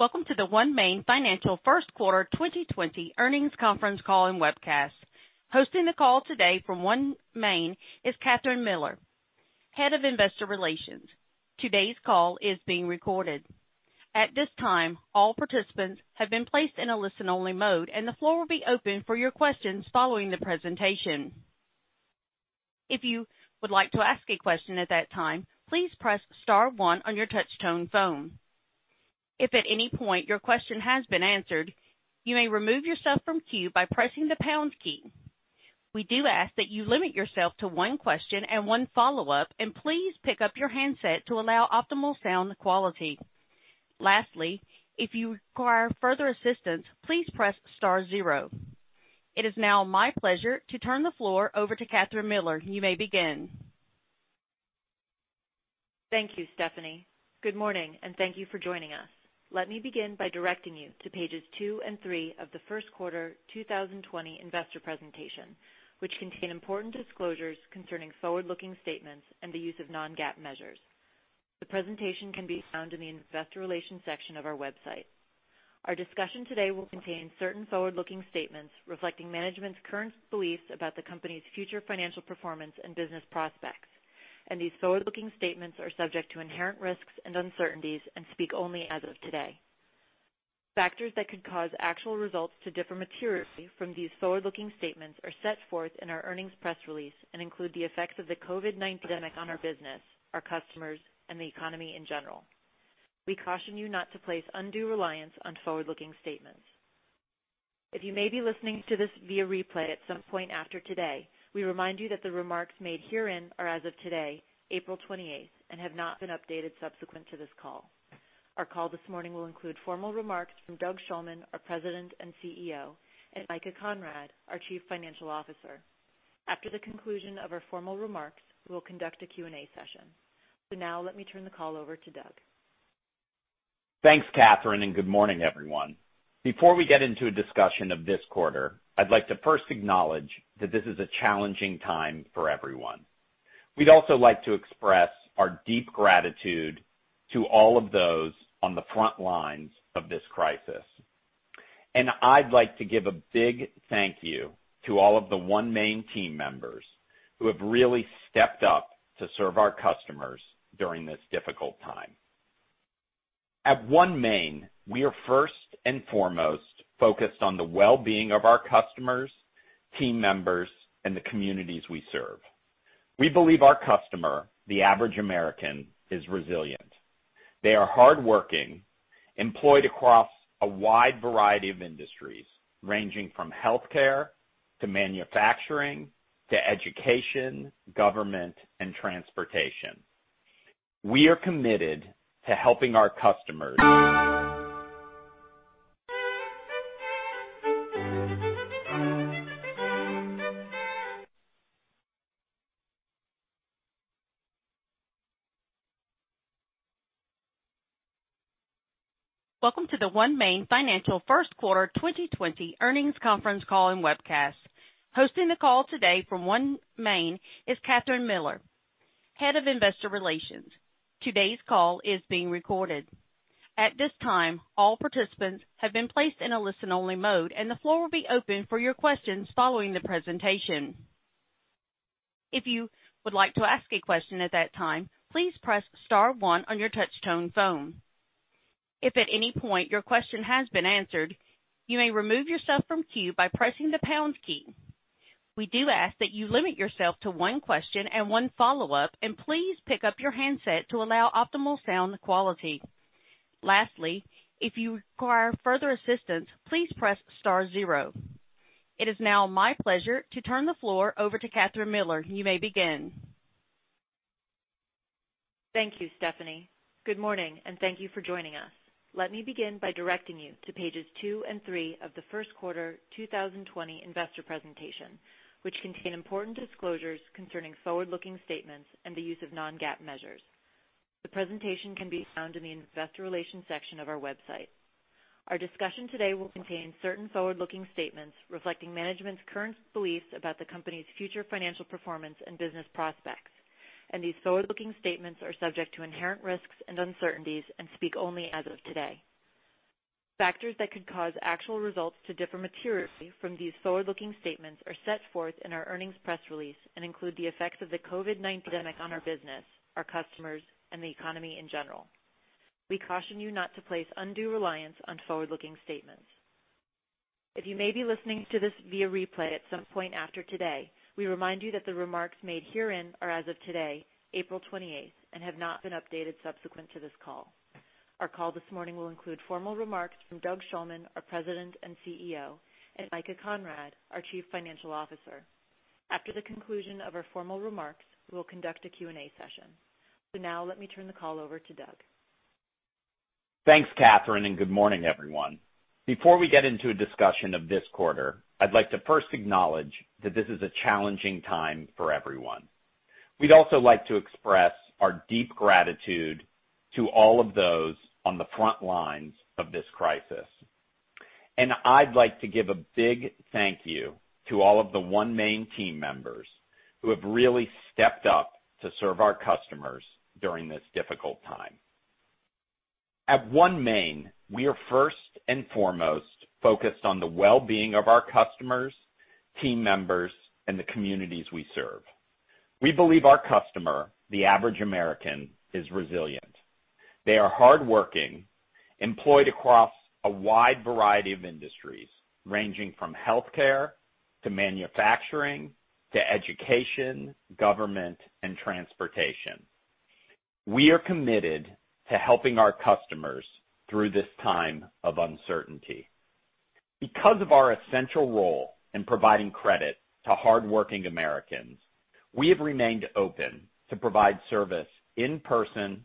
Welcome to the OneMain Financial First Quarter 2020 Earnings Conference Call and Webcast. Hosting the call today from OneMain is Kathryn Miller, Head of Investor Relations. Today's call is being recorded. At this time, all participants have been placed in a listen-only mode, and the floor will be open for your questions following the presentation. If you would like to ask a question at that time, please press star one on your touch-tone phone. If at any point your question has been answered, you may remove yourself from queue by pressing the pound key. We do ask that you limit yourself to one question and one follow-up, and please pick up your handset to allow optimal sound quality. Lastly, if you require further assistance, please press star zero. It is now my pleasure to turn the floor over to Kathryn Miller. You may begin. Thank you, Stephanie. Good morning, and thank you for joining us. Let me begin by directing you to pages two and three of the first quarter 2020 investor presentation, which contain important disclosures concerning forward-looking statements and the use of non-GAAP measures. The presentation can be found in the investor relations section of our website. Our discussion today will contain certain forward-looking statements reflecting management's current beliefs about the company's future financial performance and business prospects, and these forward-looking statements are subject to inherent risks and uncertainties and speak only as of today. Factors that could cause actual results to differ materially from these forward-looking statements are set forth in our earnings press release and include the effects of the COVID-19 pandemic on our business, our customers, and the economy in general. We caution you not to place undue reliance on forward-looking statements. If you may be listening to this via replay at some point after today, we remind you that the remarks made herein are as of today, April 28th, and have not been updated subsequent to this call. Our call this morning will include formal remarks from Doug Shulman, our President and CEO, and Micah Conrad, our Chief Financial Officer. After the conclusion of our formal remarks, we will conduct a Q&A session. So now, let me turn the call over to Doug. Thanks, Kathryn, and good morning, everyone. Before we get into a discussion of this quarter, I'd like to first acknowledge that this is a challenging time for everyone. We'd also like to express our deep gratitude to all of those on the front lines of this crisis. And I'd like to give a big thank you to all of the OneMain team members who have really stepped up to serve our customers during this difficult time. At OneMain, we are first and foremost focused on the well-being of our customers, team members, and the communities we serve. We believe our customer, the average American, is resilient. They are hardworking, employed across a wide variety of industries ranging from healthcare to manufacturing to education, government, and transportation. We are committed to helping our customers. Welcome to the OneMain Financial First Quarter 2020 Earnings Conference Call and Webcast. Hosting the call today from OneMain is Kathryn Miller, Head of Investor Relations. Today's call is being recorded. At this time, all participants have been placed in a listen-only mode, and the floor will be open for your questions following the presentation. If you would like to ask a question at that time, please press star one on your touch-tone phone. If at any point your question has been answered, you may remove yourself from queue by pressing the pound key. We do ask that you limit yourself to one question and one follow-up, and please pick up your handset to allow optimal sound quality. Lastly, if you require further assistance, please press star zero. It is now my pleasure to turn the floor over to Kathryn Miller. You may begin. Thank you, Stephanie. Good morning, and thank you for joining us. Let me begin by directing you to pages two and three of the first quarter 2020 investor presentation, which contain important disclosures concerning forward-looking statements and the use of non-GAAP measures. The presentation can be found in the investor relations section of our website. Our discussion today will contain certain forward-looking statements reflecting management's current beliefs about the company's future financial performance and business prospects, and these forward-looking statements are subject to inherent risks and uncertainties and speak only as of today. Factors that could cause actual results to differ materially from these forward-looking statements are set forth in our earnings press release and include the effects of the COVID-19 pandemic on our business, our customers, and the economy in general. We caution you not to place undue reliance on forward-looking statements. If you may be listening to this via replay at some point after today, we remind you that the remarks made herein are as of today, April 28th, and have not been updated subsequent to this call. Our call this morning will include formal remarks from Doug Shulman, our President and CEO, and Micah Conrad, our Chief Financial Officer. After the conclusion of our formal remarks, we will conduct a Q&A session. So now, let me turn the call over to Doug. Thanks, Kathryn, and good morning, everyone. Before we get into a discussion of this quarter, I'd like to first acknowledge that this is a challenging time for everyone. We'd also like to express our deep gratitude to all of those on the front lines of this crisis, and I'd like to give a big thank you to all of the OneMain team members who have really stepped up to serve our customers during this difficult time. At OneMain, we are first and foremost focused on the well-being of our customers, team members, and the communities we serve. We believe our customer, the average American, is resilient. They are hardworking, employed across a wide variety of industries ranging from healthcare to manufacturing to education, government, and transportation. We are committed to helping our customers through this time of uncertainty. Because of our essential role in providing credit to hardworking Americans, we have remained open to provide service in person,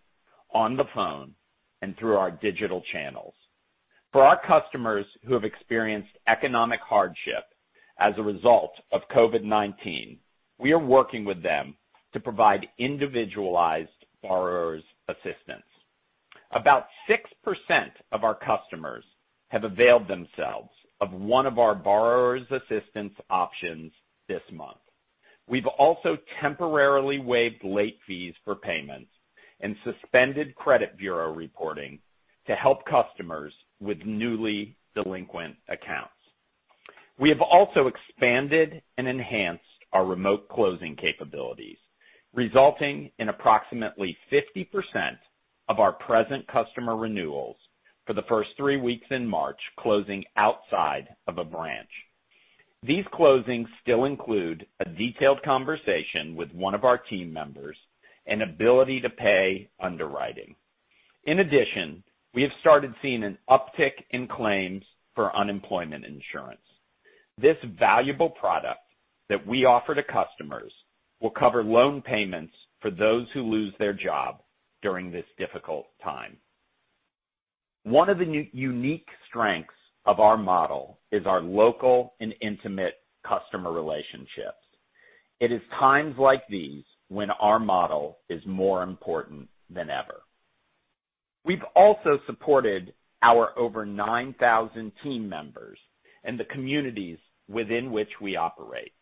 on the phone, and through our digital channels. For our customers who have experienced economic hardship as a result of COVID-19, we are working with them to provide individualized borrower assistance. About 6% of our customers have availed themselves of one of our borrower assistance options this month. We've also temporarily waived late fees for payments and suspended credit bureau reporting to help customers with newly delinquent accounts. We have also expanded and enhanced our remote closing capabilities, resulting in approximately 50% of our present customer renewals for the first three weeks in March closing outside of a branch. These closings still include a detailed conversation with one of our team members and ability-to-pay underwriting. In addition, we have started seeing an uptick in claims for unemployment insurance. This valuable product that we offer to customers will cover loan payments for those who lose their job during this difficult time. One of the unique strengths of our model is our local and intimate customer relationships. It is times like these when our model is more important than ever. We've also supported our over 9,000 team members and the communities within which we operate.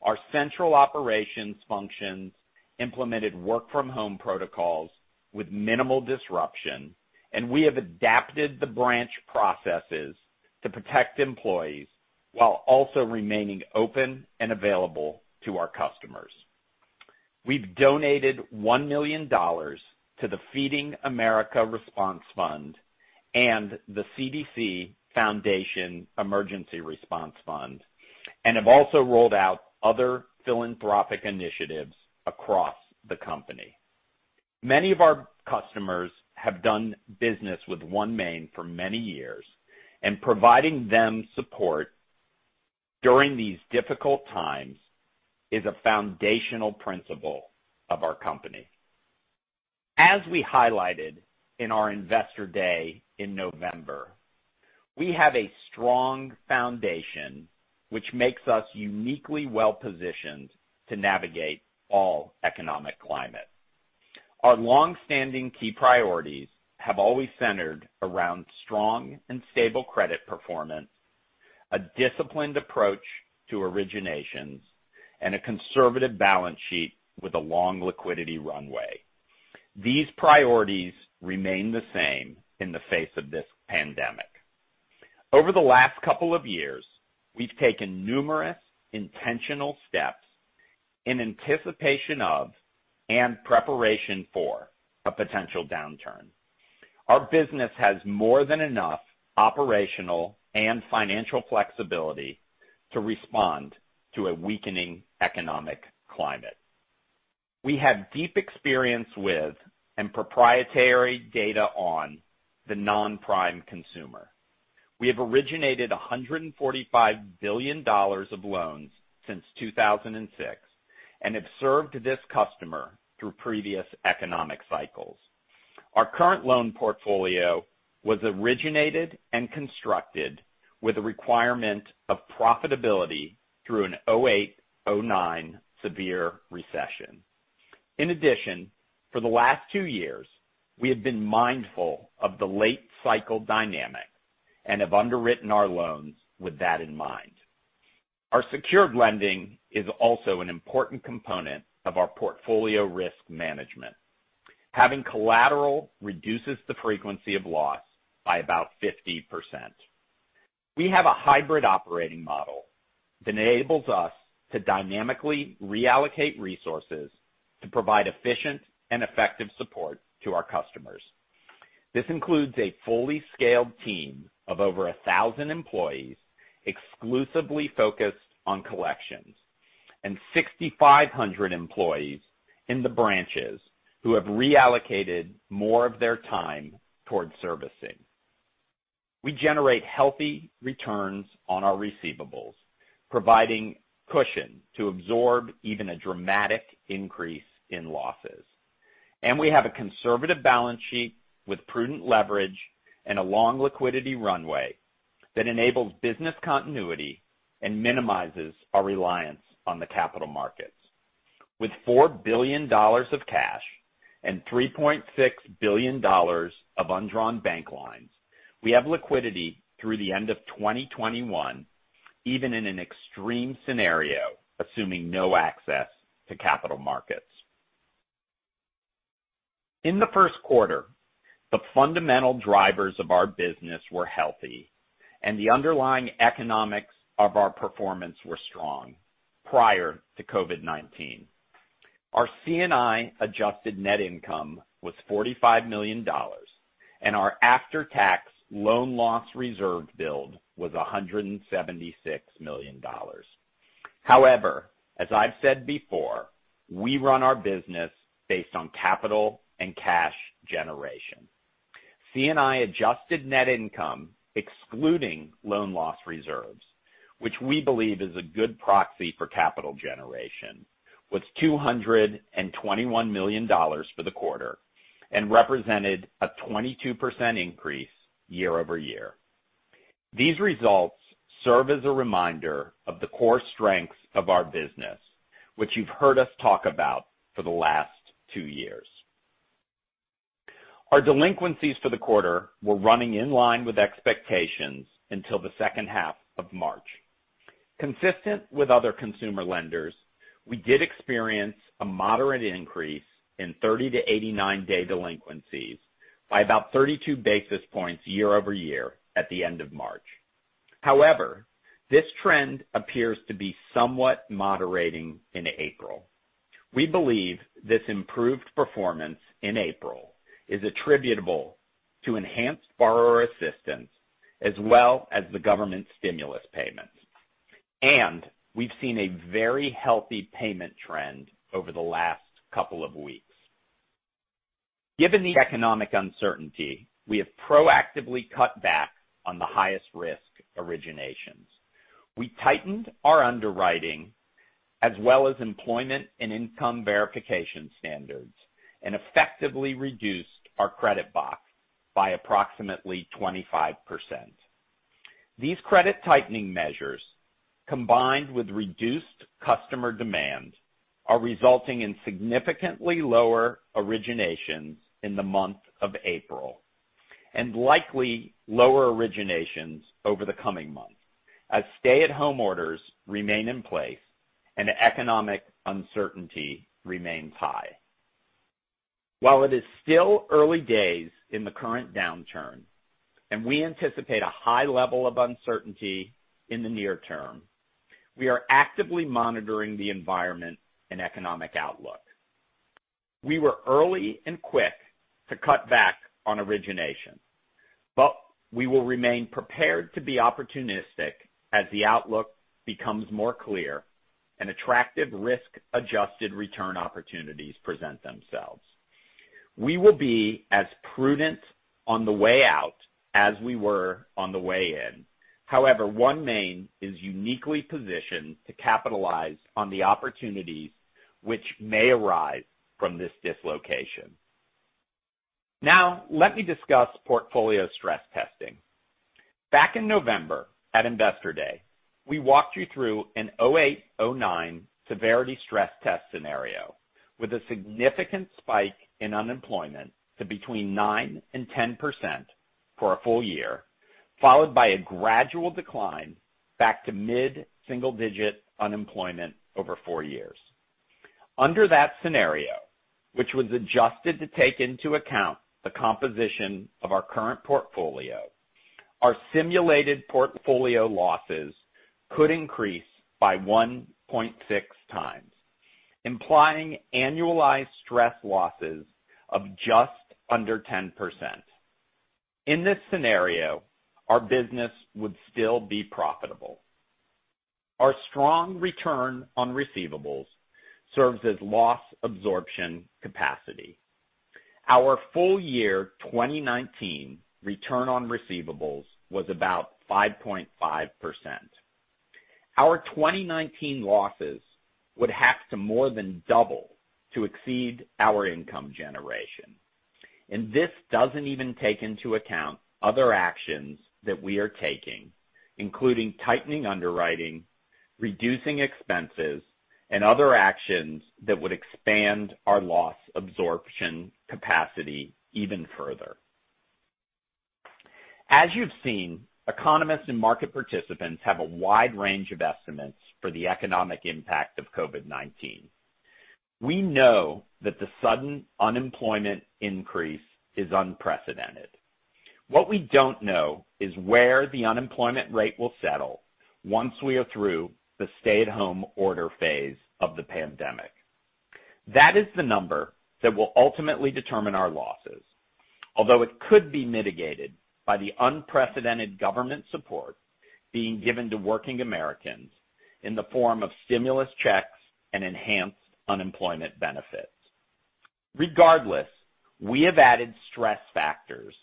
Our central operations functions implemented work-from-home protocols with minimal disruption, and we have adapted the branch processes to protect employees while also remaining open and available to our customers. We've donated $1 million to the Feeding America Response Fund and the CDC Foundation Emergency Response Fund and have also rolled out other philanthropic initiatives across the company. Many of our customers have done business with OneMain for many years, and providing them support during these difficult times is a foundational principle of our company. As we highlighted in our Investor Day in November, we have a strong foundation which makes us uniquely well-positioned to navigate any economic climate. Our longstanding key priorities have always centered around strong and stable credit performance, a disciplined approach to originations, and a conservative balance sheet with a long liquidity runway. These priorities remain the same in the face of this pandemic. Over the last couple of years, we've taken numerous intentional steps in anticipation of and preparation for a potential downturn. Our business has more than enough operational and financial flexibility to respond to a weakening economic climate. We have deep experience with and proprietary data on the non-prime consumer. We have originated $145 billion of loans since 2006 and have served this customer through previous economic cycles. Our current loan portfolio was originated and constructed with a requirement of profitability through a 2008, 2009 severe recession. In addition, for the last two years, we have been mindful of the late-cycle dynamic and have underwritten our loans with that in mind. Our secured lending is also an important component of our portfolio risk management. Having collateral reduces the frequency of loss by about 50%. We have a hybrid operating model that enables us to dynamically reallocate resources to provide efficient and effective support to our customers. This includes a fully scaled team of over 1,000 employees exclusively focused on collections and 6,500 employees in the branches who have reallocated more of their time toward servicing. We generate healthy returns on our receivables, providing cushion to absorb even a dramatic increase in losses, and we have a conservative balance sheet with prudent leverage and a long liquidity runway that enables business continuity and minimizes our reliance on the capital markets. With $4 billion of cash and $3.6 billion of undrawn bank lines, we have liquidity through the end of 2021, even in an extreme scenario assuming no access to capital markets. In the first quarter, the fundamental drivers of our business were healthy, and the underlying economics of our performance were strong prior to COVID-19. Our C&I adjusted net income was $45 million, and our after-tax loan loss reserve build was $176 million. However, as I've said before, we run our business based on capital and cash generation. C&I adjusted net income, excluding loan loss reserves, which we believe is a good proxy for capital generation, was $221 million for the quarter and represented a 22% increase year over year. These results serve as a reminder of the core strengths of our business, which you've heard us talk about for the last two years. Our delinquencies for the quarter were running in line with expectations until the second half of March. Consistent with other consumer lenders, we did experience a moderate increase in 30-89-day delinquencies by about 32 basis points year over year at the end of March. However, this trend appears to be somewhat moderating in April. We believe this improved performance in April is attributable to enhanced borrower assistance as well as the government stimulus payments, and we've seen a very healthy payment trend over the last couple of weeks. Given the economic uncertainty, we have proactively cut back on the highest risk originations. We tightened our underwriting as well as employment and income verification standards and effectively reduced our credit box by approximately 25%. These credit tightening measures, combined with reduced customer demand, are resulting in significantly lower originations in the month of April and likely lower originations over the coming months as stay-at-home orders remain in place and economic uncertainty remains high. While it is still early days in the current downturn and we anticipate a high level of uncertainty in the near term, we are actively monitoring the environment and economic outlook. We were early and quick to cut back on origination, but we will remain prepared to be opportunistic as the outlook becomes more clear and attractive risk-adjusted return opportunities present themselves. We will be as prudent on the way out as we were on the way in. However, OneMain is uniquely positioned to capitalize on the opportunities which may arise from this dislocation. Now, let me discuss portfolio stress testing. Back in November at Investor Day, we walked you through a 2008, 2009 severity stress test scenario with a significant spike in unemployment to between 9% and 10% for a full year, followed by a gradual decline back to mid-single-digit unemployment over four years. Under that scenario, which was adjusted to take into account the composition of our current portfolio, our simulated portfolio losses could increase by 1.6 times, implying annualized stress losses of just under 10%. In this scenario, our business would still be profitable. Our strong return on receivables serves as loss absorption capacity. Our full year 2019 return on receivables was about 5.5%. Our 2019 losses would have to more than double to exceed our income generation. And this doesn't even take into account other actions that we are taking, including tightening underwriting, reducing expenses, and other actions that would expand our loss absorption capacity even further. As you've seen, economists and market participants have a wide range of estimates for the economic impact of COVID-19. We know that the sudden unemployment increase is unprecedented. What we don't know is where the unemployment rate will settle once we are through the stay-at-home order phase of the pandemic. That is the number that will ultimately determine our losses, although it could be mitigated by the unprecedented government support being given to working Americans in the form of stimulus checks and enhanced unemployment benefits. Regardless, we have added stress factors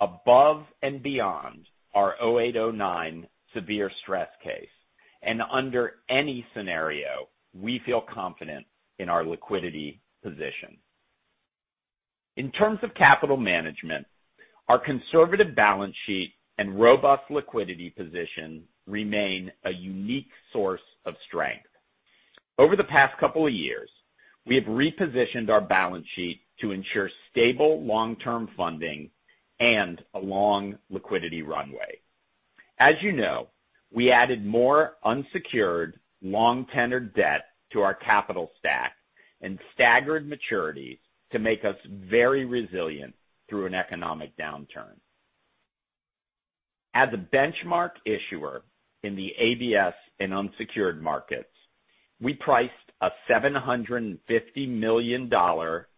above and beyond our 2008, 2009 severe stress case, and under any scenario, we feel confident in our liquidity position. In terms of capital management, our conservative balance sheet and robust liquidity position remain a unique source of strength. Over the past couple of years, we have repositioned our balance sheet to ensure stable long-term funding and a long liquidity runway. As you know, we added more unsecured long-tenor debt to our capital stack and staggered maturities to make us very resilient through an economic downturn. As a benchmark issuer in the ABS and unsecured markets, we priced a $750 million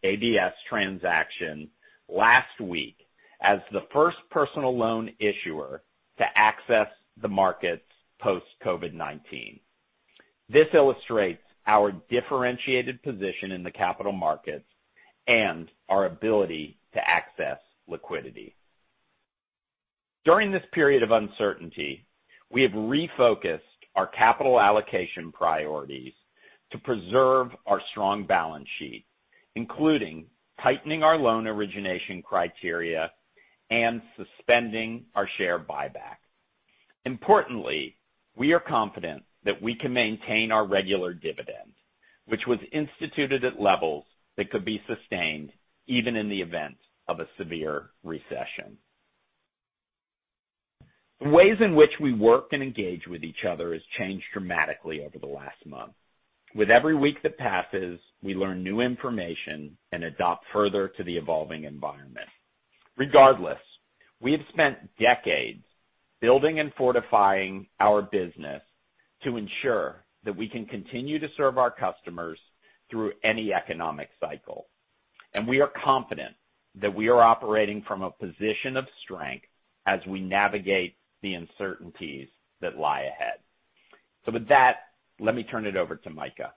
ABS transaction last week as the first personal loan issuer to access the markets post-COVID-19. This illustrates our differentiated position in the capital markets and our ability to access liquidity. During this period of uncertainty, we have refocused our capital allocation priorities to preserve our strong balance sheet, including tightening our loan origination criteria and suspending our share buyback. Importantly, we are confident that we can maintain our regular dividend, which was instituted at levels that could be sustained even in the event of a severe recession. The ways in which we work and engage with each other has changed dramatically over the last month. With every week that passes, we learn new information and adapt further to the evolving environment. Regardless, we have spent decades building and fortifying our business to ensure that we can continue to serve our customers through any economic cycle. And we are confident that we are operating from a position of strength as we navigate the uncertainties that lie ahead. So with that, let me turn it over to Micah.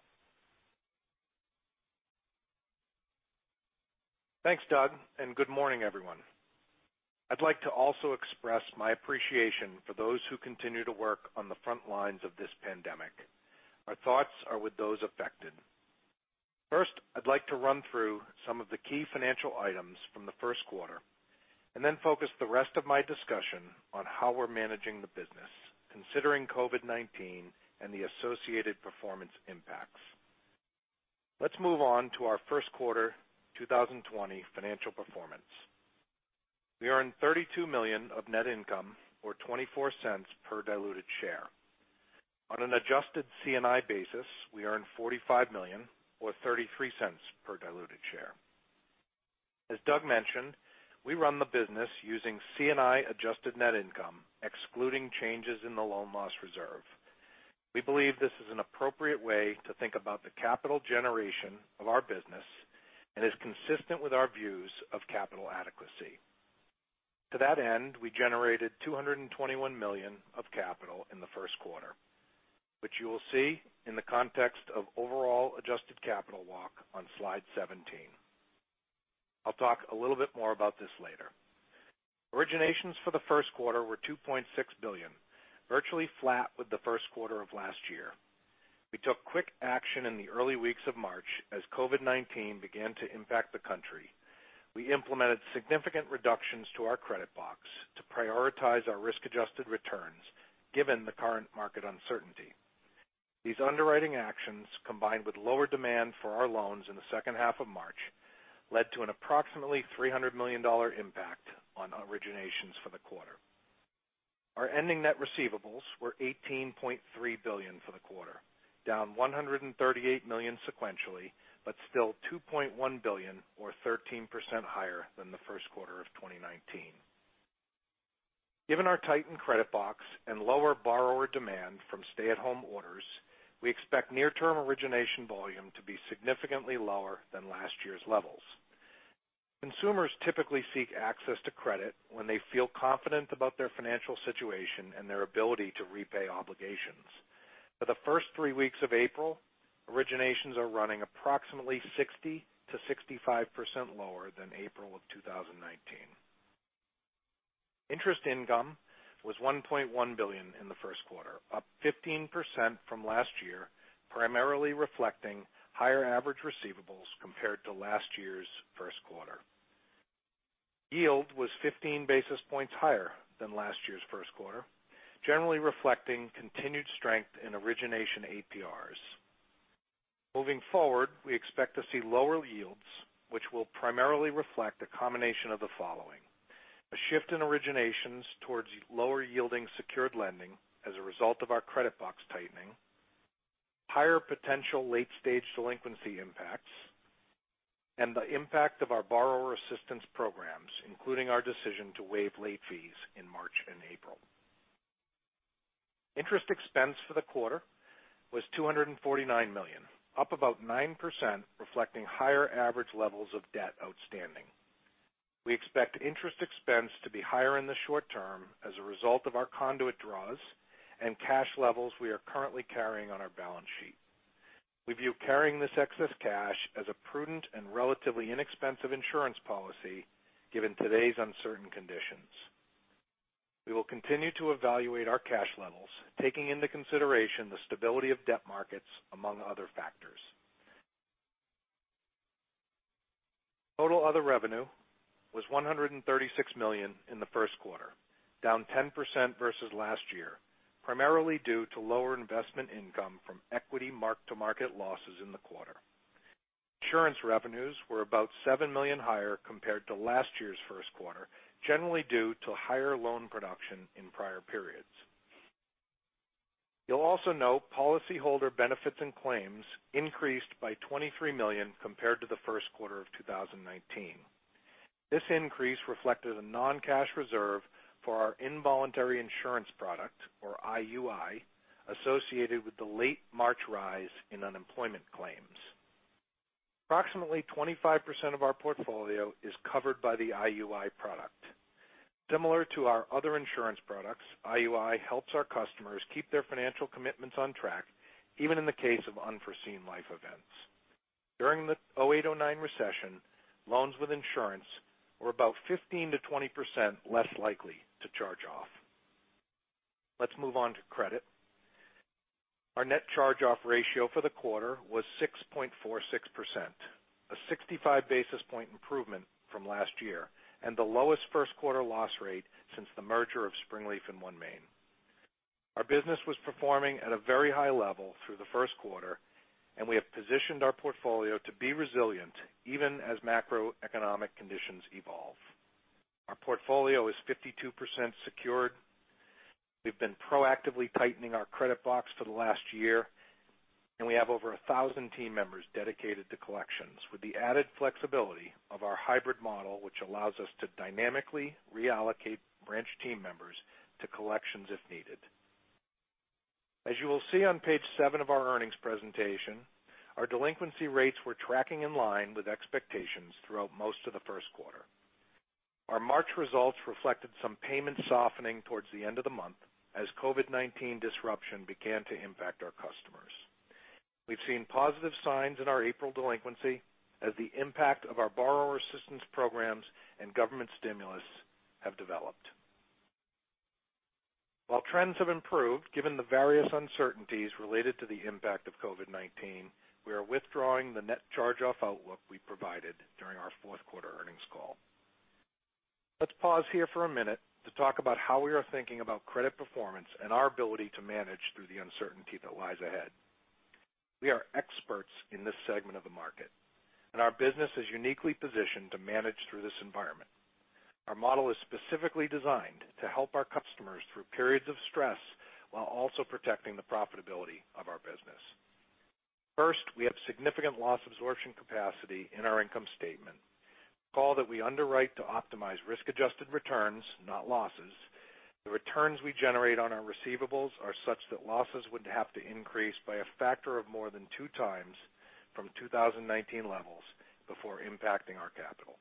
Thanks, Doug, and good morning, everyone. I'd like to also express my appreciation for those who continue to work on the front lines of this pandemic. Our thoughts are with those affected. First, I'd like to run through some of the key financial items from the first quarter and then focus the rest of my discussion on how we're managing the business, considering COVID-19 and the associated performance impacts. Let's move on to our first quarter 2020 financial performance. We earned $32 million of net income or $0.24 per diluted share. On an adjusted C&I basis, we earned $45 million or $0.33 per diluted share. As Doug mentioned, we run the business using C&I adjusted net income, excluding changes in the loan loss reserve. We believe this is an appropriate way to think about the capital generation of our business and is consistent with our views of capital adequacy. To that end, we generated $221 million of capital in the first quarter, which you will see in the context of overall adjusted capital walk on slide 17. I'll talk a little bit more about this later. Originations for the first quarter were $2.6 billion, virtually flat with the first quarter of last year. We took quick action in the early weeks of March as COVID-19 began to impact the country. We implemented significant reductions to our credit box to prioritize our risk-adjusted returns given the current market uncertainty. These underwriting actions, combined with lower demand for our loans in the second half of March, led to an approximately $300 million impact on originations for the quarter. Our ending net receivables were $18.3 billion for the quarter, down $138 million sequentially, but still $2.1 billion or 13% higher than the first quarter of 2019. Given our tightened credit box and lower borrower demand from stay-at-home orders, we expect near-term origination volume to be significantly lower than last year's levels. Consumers typically seek access to credit when they feel confident about their financial situation and their ability to repay obligations. For the first three weeks of April, originations are running approximately 60%-65% lower than April of 2019. Interest income was $1.1 billion in the first quarter, up 15% from last year, primarily reflecting higher average receivables compared to last year's first quarter. Yield was 15 basis points higher than last year's first quarter, generally reflecting continued strength in origination APRs. Moving forward, we expect to see lower yields, which will primarily reflect a combination of the following: a shift in originations towards lower-yielding secured lending as a result of our credit box tightening, higher potential late-stage delinquency impacts, and the impact of our borrower assistance programs, including our decision to waive late fees in March and April. Interest expense for the quarter was $249 million, up about 9%, reflecting higher average levels of debt outstanding. We expect interest expense to be higher in the short term as a result of our conduit draws and cash levels we are currently carrying on our balance sheet. We view carrying this excess cash as a prudent and relatively inexpensive insurance policy given today's uncertain conditions. We will continue to evaluate our cash levels, taking into consideration the stability of debt markets among other factors. Total other revenue was $136 million in the first quarter, down 10% versus last year, primarily due to lower investment income from equity mark-to-market losses in the quarter. Insurance revenues were about $7 million higher compared to last year's first quarter, generally due to higher loan production in prior periods. You'll also note policyholder benefits and claims increased by $23 million compared to the first quarter of 2019. This increase reflected a non-cash reserve for our involuntary insurance product, or IUI, associated with the late March rise in unemployment claims. Approximately 25% of our portfolio is covered by the IUI product. Similar to our other insurance products, IUI helps our customers keep their financial commitments on track, even in the case of unforeseen life events. During the 2008, 2009 recession, loans with insurance were about 15%-20% less likely to charge off. Let's move on to credit. Our net charge-off ratio for the quarter was 6.46%, a 65 basis points improvement from last year and the lowest first quarter loss rate since the merger of Springleaf and OneMain. Our business was performing at a very high level through the first quarter, and we have positioned our portfolio to be resilient even as macroeconomic conditions evolve. Our portfolio is 52% secured. We've been proactively tightening our credit box for the last year, and we have over 1,000 team members dedicated to collections with the added flexibility of our hybrid model, which allows us to dynamically reallocate branch team members to collections if needed. As you will see on page seven of our earnings presentation, our delinquency rates were tracking in line with expectations throughout most of the first quarter. Our March results reflected some payment softening towards the end of the month as COVID-19 disruption began to impact our customers. We've seen positive signs in our April delinquency as the impact of our borrower assistance programs and government stimulus have developed. While trends have improved, given the various uncertainties related to the impact of COVID-19, we are withdrawing the net charge-off outlook we provided during our fourth quarter earnings call. Let's pause here for a minute to talk about how we are thinking about credit performance and our ability to manage through the uncertainty that lies ahead. We are experts in this segment of the market, and our business is uniquely positioned to manage through this environment. Our model is specifically designed to help our customers through periods of stress while also protecting the profitability of our business. First, we have significant loss absorption capacity in our income statement, a call that we underwrite to optimize risk-adjusted returns, not losses. The returns we generate on our receivables are such that losses would have to increase by a factor of more than two times from 2019 levels before impacting our capital.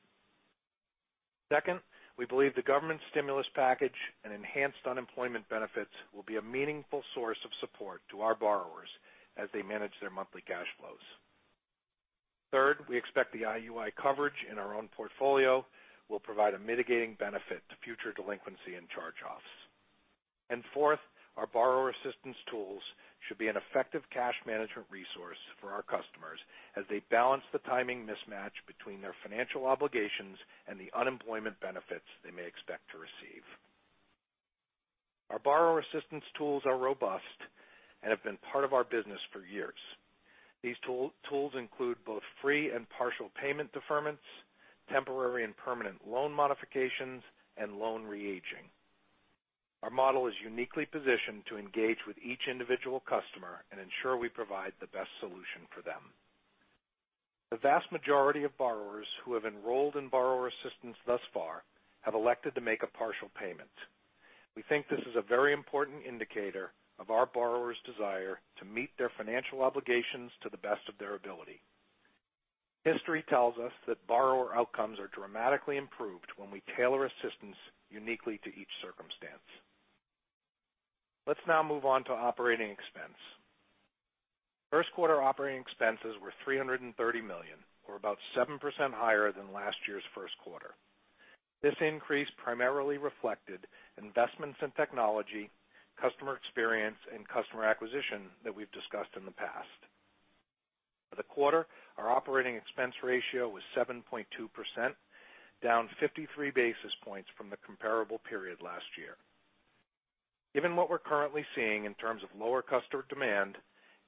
Second, we believe the government stimulus package and enhanced unemployment benefits will be a meaningful source of support to our borrowers as they manage their monthly cash flows. Third, we expect the IUI coverage in our own portfolio will provide a mitigating benefit to future delinquency and charge-offs. And fourth, our borrower assistance tools should be an effective cash management resource for our customers as they balance the timing mismatch between their financial obligations and the unemployment benefits they may expect to receive. Our borrower assistance tools are robust and have been part of our business for years. These tools include both free and partial payment deferments, temporary and permanent loan modifications, and loan re-aging. Our model is uniquely positioned to engage with each individual customer and ensure we provide the best solution for them. The vast majority of borrowers who have enrolled in borrower assistance thus far have elected to make a partial payment. We think this is a very important indicator of our borrowers' desire to meet their financial obligations to the best of their ability. History tells us that borrower outcomes are dramatically improved when we tailor assistance uniquely to each circumstance. Let's now move on to operating expense. First quarter operating expenses were $330 million, or about 7% higher than last year's first quarter. This increase primarily reflected investments in technology, customer experience, and customer acquisition that we've discussed in the past. For the quarter, our operating expense ratio was 7.2%, down 53 basis points from the comparable period last year. Given what we're currently seeing in terms of lower customer demand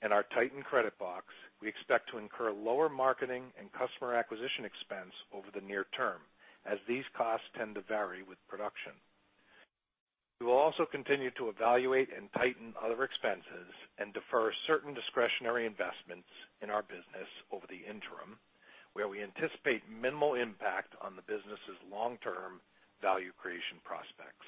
and our tightened credit box, we expect to incur lower marketing and customer acquisition expense over the near term as these costs tend to vary with production. We will also continue to evaluate and tighten other expenses and defer certain discretionary investments in our business over the interim, where we anticipate minimal impact on the business's long-term value creation prospects.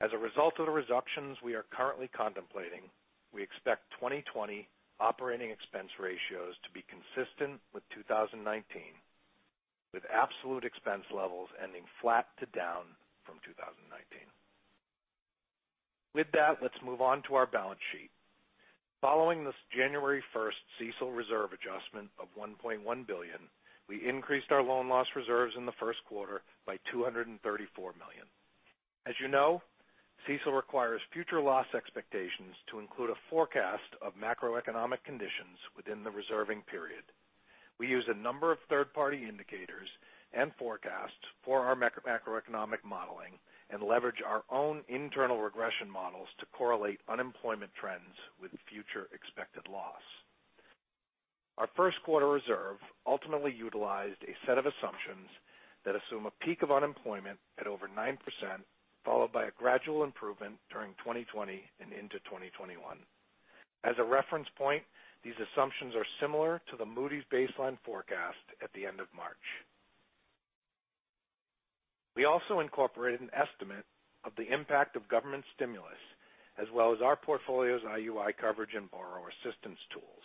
As a result of the reductions we are currently contemplating, we expect 2020 operating expense ratios to be consistent with 2019, with absolute expense levels ending flat to down from 2019. With that, let's move on to our balance sheet. Following the January 1st CECL reserve adjustment of $1.1 billion, we increased our loan loss reserves in the first quarter by $234 million. As you know, CECL requires future loss expectations to include a forecast of macroeconomic conditions within the reserving period. We use a number of third-party indicators and forecasts for our macroeconomic modeling and leverage our own internal regression models to correlate unemployment trends with future expected loss. Our first quarter reserve ultimately utilized a set of assumptions that assume a peak of unemployment at over 9%, followed by a gradual improvement during 2020 and into 2021. As a reference point, these assumptions are similar to the Moody's baseline forecast at the end of March. We also incorporated an estimate of the impact of government stimulus as well as our portfolio's IUI coverage and borrower assistance tools.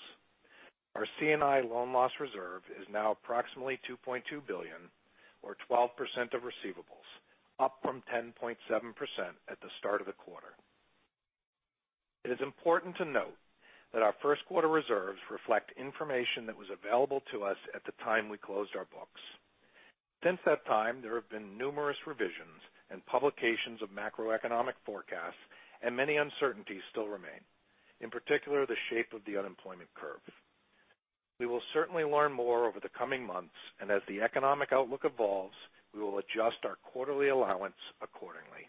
Our C&I loan loss reserve is now approximately $2.2 billion, or 12% of receivables, up from 10.7% at the start of the quarter. It is important to note that our first quarter reserves reflect information that was available to us at the time we closed our books. Since that time, there have been numerous revisions and publications of macroeconomic forecasts, and many uncertainties still remain, in particular the shape of the unemployment curve. We will certainly learn more over the coming months, and as the economic outlook evolves, we will adjust our quarterly allowance accordingly.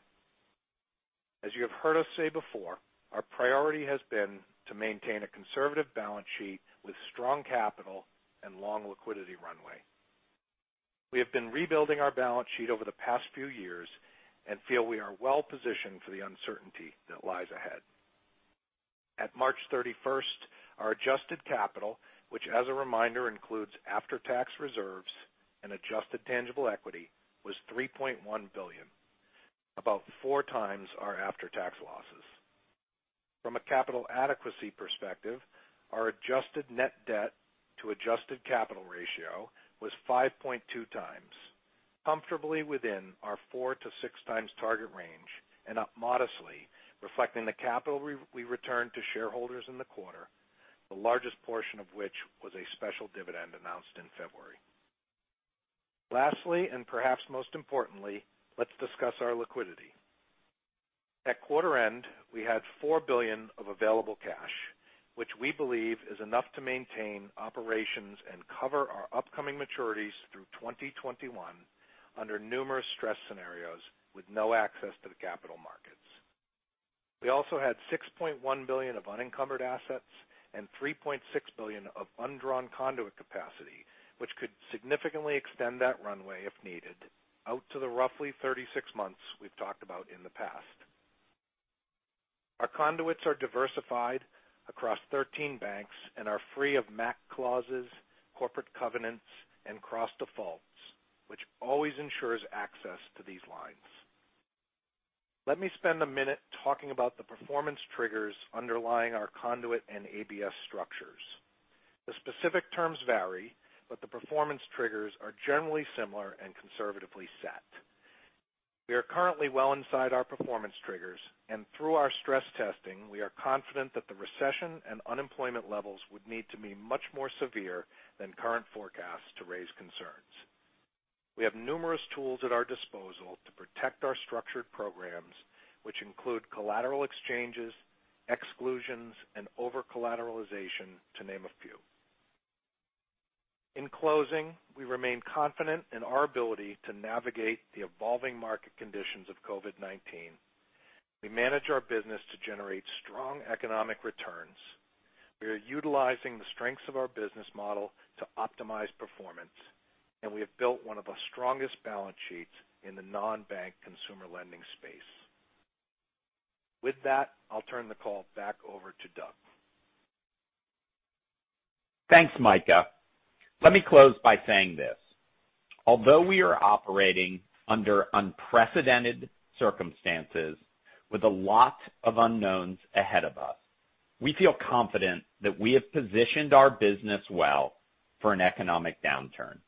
As you have heard us say before, our priority has been to maintain a conservative balance sheet with strong capital and long liquidity runway. We have been rebuilding our balance sheet over the past few years and feel we are well positioned for the uncertainty that lies ahead. At March 31st, our adjusted capital, which, as a reminder, includes after-tax reserves and adjusted tangible equity, was $3.1 billion, about four times our after-tax losses. From a capital adequacy perspective, our adjusted net debt to adjusted capital ratio was 5.2 times, comfortably within our four to six times target range and up modestly, reflecting the capital we returned to shareholders in the quarter, the largest portion of which was a special dividend announced in February. Lastly, and perhaps most importantly, let's discuss our liquidity. At quarter end, we had $4 billion of available cash, which we believe is enough to maintain operations and cover our upcoming maturities through 2021 under numerous stress scenarios with no access to the capital markets. We also had $6.1 billion of unencumbered assets and $3.6 billion of undrawn conduit capacity, which could significantly extend that runway if needed out to the roughly 36 months we've talked about in the past. Our conduits are diversified across 13 banks and are free of MAC clauses, corporate covenants, and cross-defaults, which always ensures access to these lines. Let me spend a minute talking about the performance triggers underlying our conduit and ABS structures. The specific terms vary, but the performance triggers are generally similar and conservatively set. We are currently well inside our performance triggers, and through our stress testing, we are confident that the recession and unemployment levels would need to be much more severe than current forecasts to raise concerns. We have numerous tools at our disposal to protect our structured programs, which include collateral exchanges, exclusions, and over-collateralization, to name a few. In closing, we remain confident in our ability to navigate the evolving market conditions of COVID-19. We manage our business to generate strong economic returns. We are utilizing the strengths of our business model to optimize performance, and we have built one of the strongest balance sheets in the non-bank consumer lending space. With that, I'll turn the call back over to Doug. Thanks, Micah. Let me close by saying this: although we are operating under unprecedented circumstances with a lot of unknowns ahead of us, we feel confident that we have positioned our business well for an economic downturn.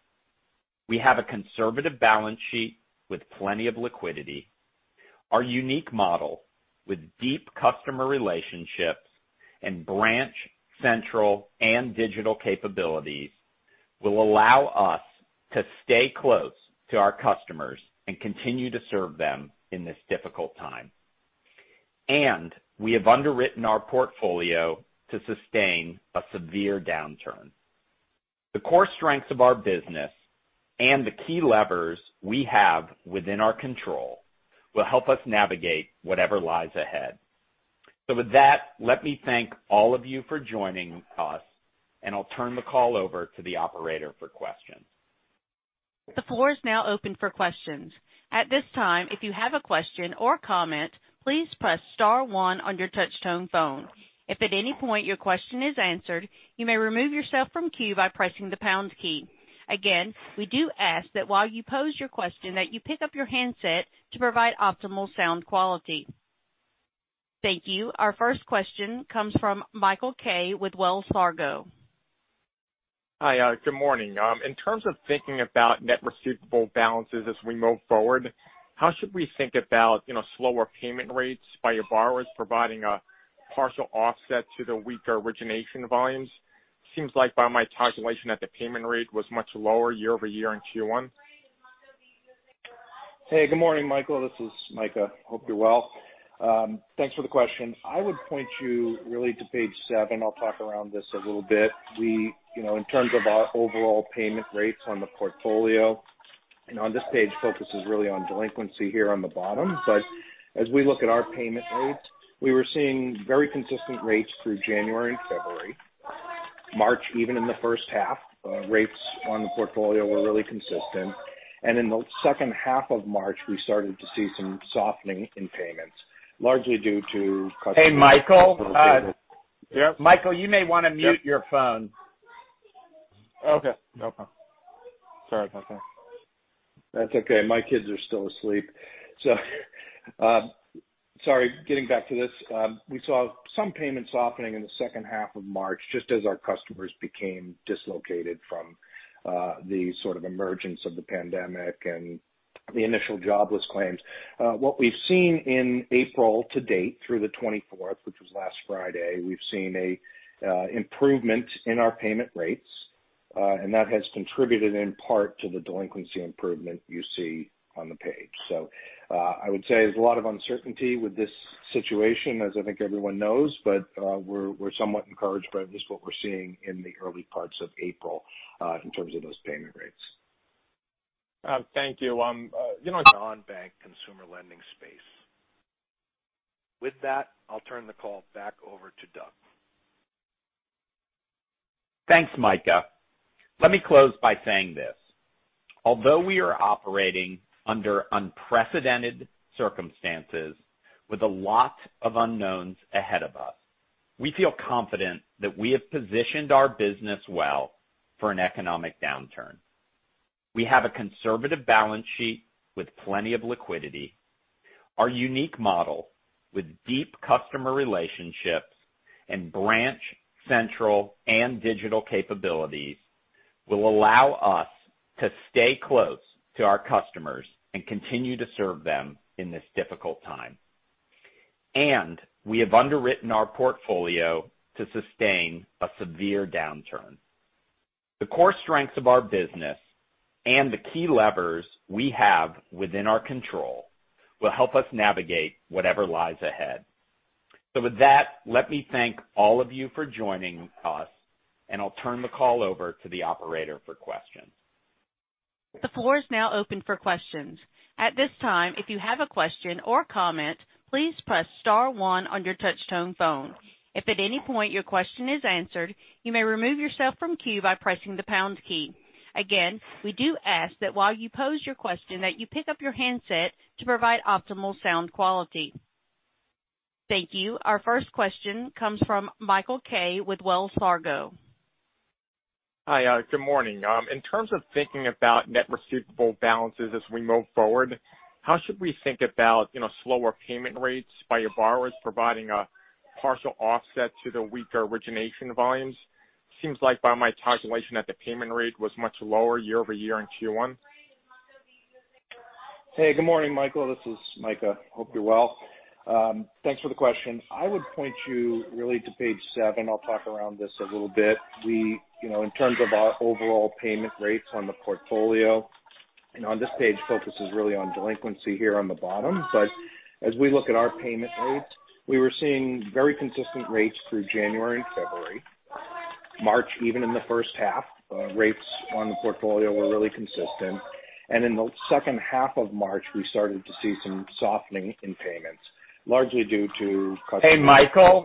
We have a conservative balance sheet with plenty of liquidity. Our unique model with deep customer relationships and branch-centric and digital capabilities will allow us to stay close to our customers and continue to serve them in this difficult time. And we have underwritten our portfolio to sustain a severe downturn. The core strengths of our business and the key levers we have within our control will help us navigate whatever lies ahead. So with that, let me thank all of you for joining us, and I'll turn the call over to the operator for questions. The floor is now open for questions. At this time, if you have a question or comment, please press star one on your touch-tone phone. If at any point your question is answered, you may remove yourself from queue by pressing the pound key. Again, we do ask that while you pose your question, that you pick up your handset to provide optimal sound quality. Thank you. Our first question comes from Michael Kaye with Wells Fargo. Hi, good morning. In terms of thinking about net receivable balances as we move forward, how should we think about slower payment rates by your borrowers providing a partial offset to the weaker origination volumes? Seems like by my calculation that the payment rate was much lower year over year in Q1. Hey, good morning, Michael. This is Micah. Hope you're well. Thanks for the question. I would point you really to page seven. I'll talk around this a little bit. In terms of our overall payment rates on the portfolio, on this page, focus is really on delinquency here on the bottom. But as we look at our payment rates, we were seeing very consistent rates through January and February. March, even in the first half, rates on the portfolio were really consistent. And in the second half of March, we started to see some softening in payments, largely due to. Hey, Michael. Yep. Michael, you may want to mute your phone. Okay. No problem. Sorry about that. That's okay. My kids are still asleep. So, sorry, getting back to this, we saw some payment softening in the second half of March just as our customers became dislocated from the sort of emergence of the pandemic and the initial jobless claims. What we've seen in April to date through the 24th, which was last Friday, we've seen an improvement in our payment rates, and that has contributed in part to the delinquency improvement you see on the page. So I would say there's a lot of uncertainty with this situation, as I think everyone knows, but we're somewhat encouraged by at least what we're seeing in the early parts of April in terms of those payment rates. Thank you. You know. Non-bank consumer lending space. With that, I'll turn the call back over to Doug. Thanks, Micah. Let me close by saying this: although we are operating under unprecedented circumstances with a lot of unknowns ahead of us, we feel confident that we have positioned our business well for an economic downturn. We have a conservative balance sheet with plenty of liquidity. Our unique model with deep customer relationships and branch-centric and digital capabilities will allow us to stay close to our customers and continue to serve them in this difficult time. And we have underwritten our portfolio to sustain a severe downturn. The core strengths of our business and the key levers we have within our control will help us navigate whatever lies ahead. So with that, let me thank all of you for joining us, and I'll turn the call over to the operator for questions. The floor is now open for questions. At this time, if you have a question or comment, please press star one on your touch-tone phone. If at any point your question is answered, you may remove yourself from queue by pressing the pound key. Again, we do ask that while you pose your question, that you pick up your handset to provide optimal sound quality. Thank you. Our first question comes from Michael Kaye with Wells Fargo. Hi, good morning. In terms of thinking about net receivable balances as we move forward, how should we think about slower payment rates by your borrowers providing a partial offset to the weaker origination volumes? Seems like by my calculation that the payment rate was much lower year over year in Q1. Hey, good morning, Michael. This is Micah. Hope you're well. Thanks for the question. I would point you really to page seven. I'll talk around this a little bit. In terms of our overall payment rates on the portfolio, on this page, focus is really on delinquency here on the bottom. But as we look at our payment rates, we were seeing very consistent rates through January and February. March, even in the first half, rates on the portfolio were really consistent. And in the second half of March, we started to see some softening in payments, largely due to. Hey, Michael.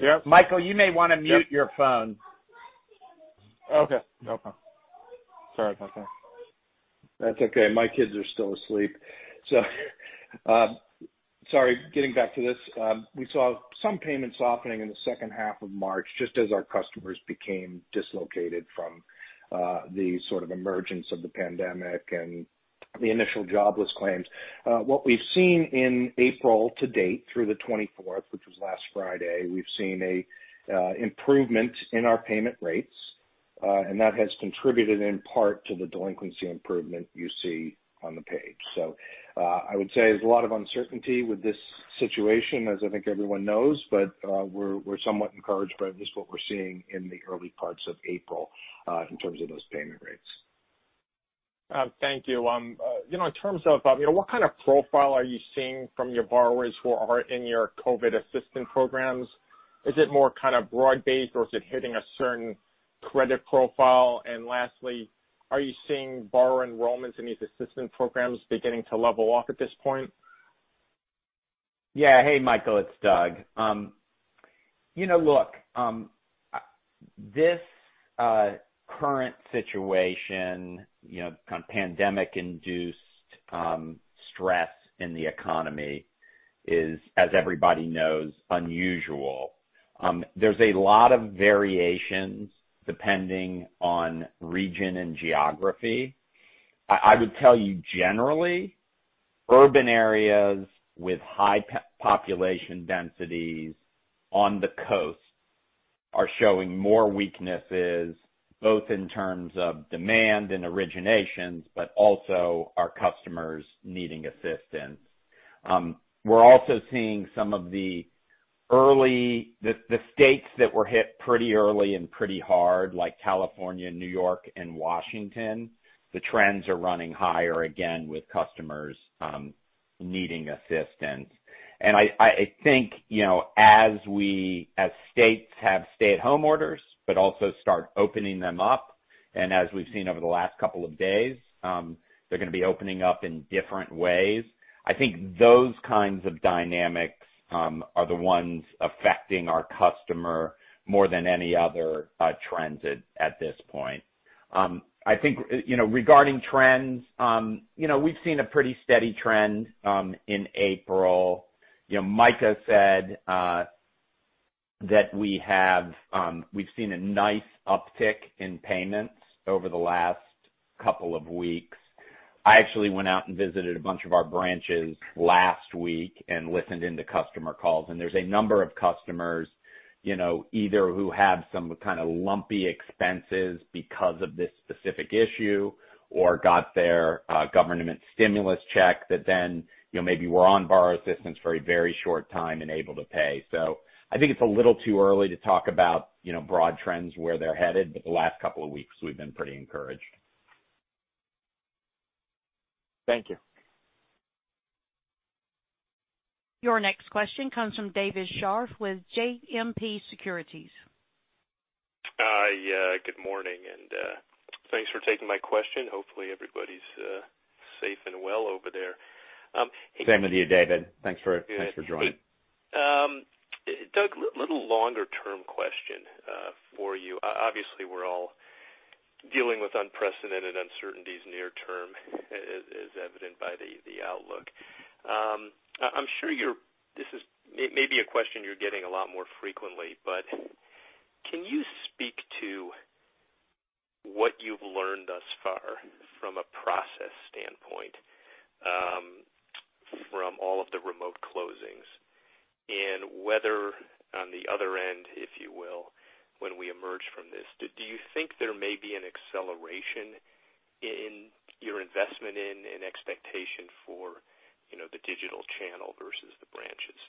Yep. Michael, you may want to mute your phone. Okay. No problem. Sorry about that. That's okay. My kids are still asleep. So sorry, getting back to this, we saw some payment softening in the second half of March just as our customers became dislocated from the sort of emergence of the pandemic and the initial jobless claims. What we've seen in April to date through the 24th, which was last Friday, we've seen an improvement in our payment rates, and that has contributed in part to the delinquency improvement you see on the page. So I would say there's a lot of uncertainty with this situation, as I think everyone knows, but we're somewhat encouraged by at least what we're seeing in the early parts of April in terms of those payment rates. Thank you. In terms of what kind of profile are you seeing from your borrowers who are in your COVID assistance programs? Is it more kind of broad-based, or is it hitting a certain credit profile? And lastly, are you seeing borrower enrollments in these assistance programs beginning to level off at this point? Yeah. Hey, Michael. It's Doug. Look, this current situation, kind of pandemic-induced stress in the economy is, as everybody knows, unusual. There's a lot of variations depending on region and geography. I would tell you generally, urban areas with high population densities on the coast are showing more weaknesses, both in terms of demand and originations, but also our customers needing assistance. We're also seeing some of the early states that were hit pretty early and pretty hard, like California, New York, and Washington. The trends are running higher again with customers needing assistance. And I think as states have stay-at-home orders, but also start opening them up, and as we've seen over the last couple of days, they're going to be opening up in different ways. I think those kinds of dynamics are the ones affecting our customer more than any other trends at this point. I think regarding trends, we've seen a pretty steady trend in April. Micah said that we've seen a nice uptick in payments over the last couple of weeks. I actually went out and visited a bunch of our branches last week and listened into customer calls, and there's a number of customers either who have some kind of lumpy expenses because of this specific issue or got their government stimulus check that then maybe were on borrower assistance for a very short time and able to pay, so I think it's a little too early to talk about broad trends where they're headed, but the last couple of weeks, we've been pretty encouraged. Thank you. Your next question comes from David Scharf with JMP Securities. Hi. Good morning, and thanks for taking my question. Hopefully, everybody's safe and well over there. Same with you, David. Thanks for joining. Good. Doug, a little longer-term question for you. Obviously, we're all dealing with unprecedented uncertainties near term, as evident by the outlook. I'm sure this may be a question you're getting a lot more frequently, but can you speak to what you've learned thus far from a process standpoint from all of the remote closings and whether, on the other end, if you will, when we emerge from this, do you think there may be an acceleration in your investment in and expectation for the digital channel versus the branches?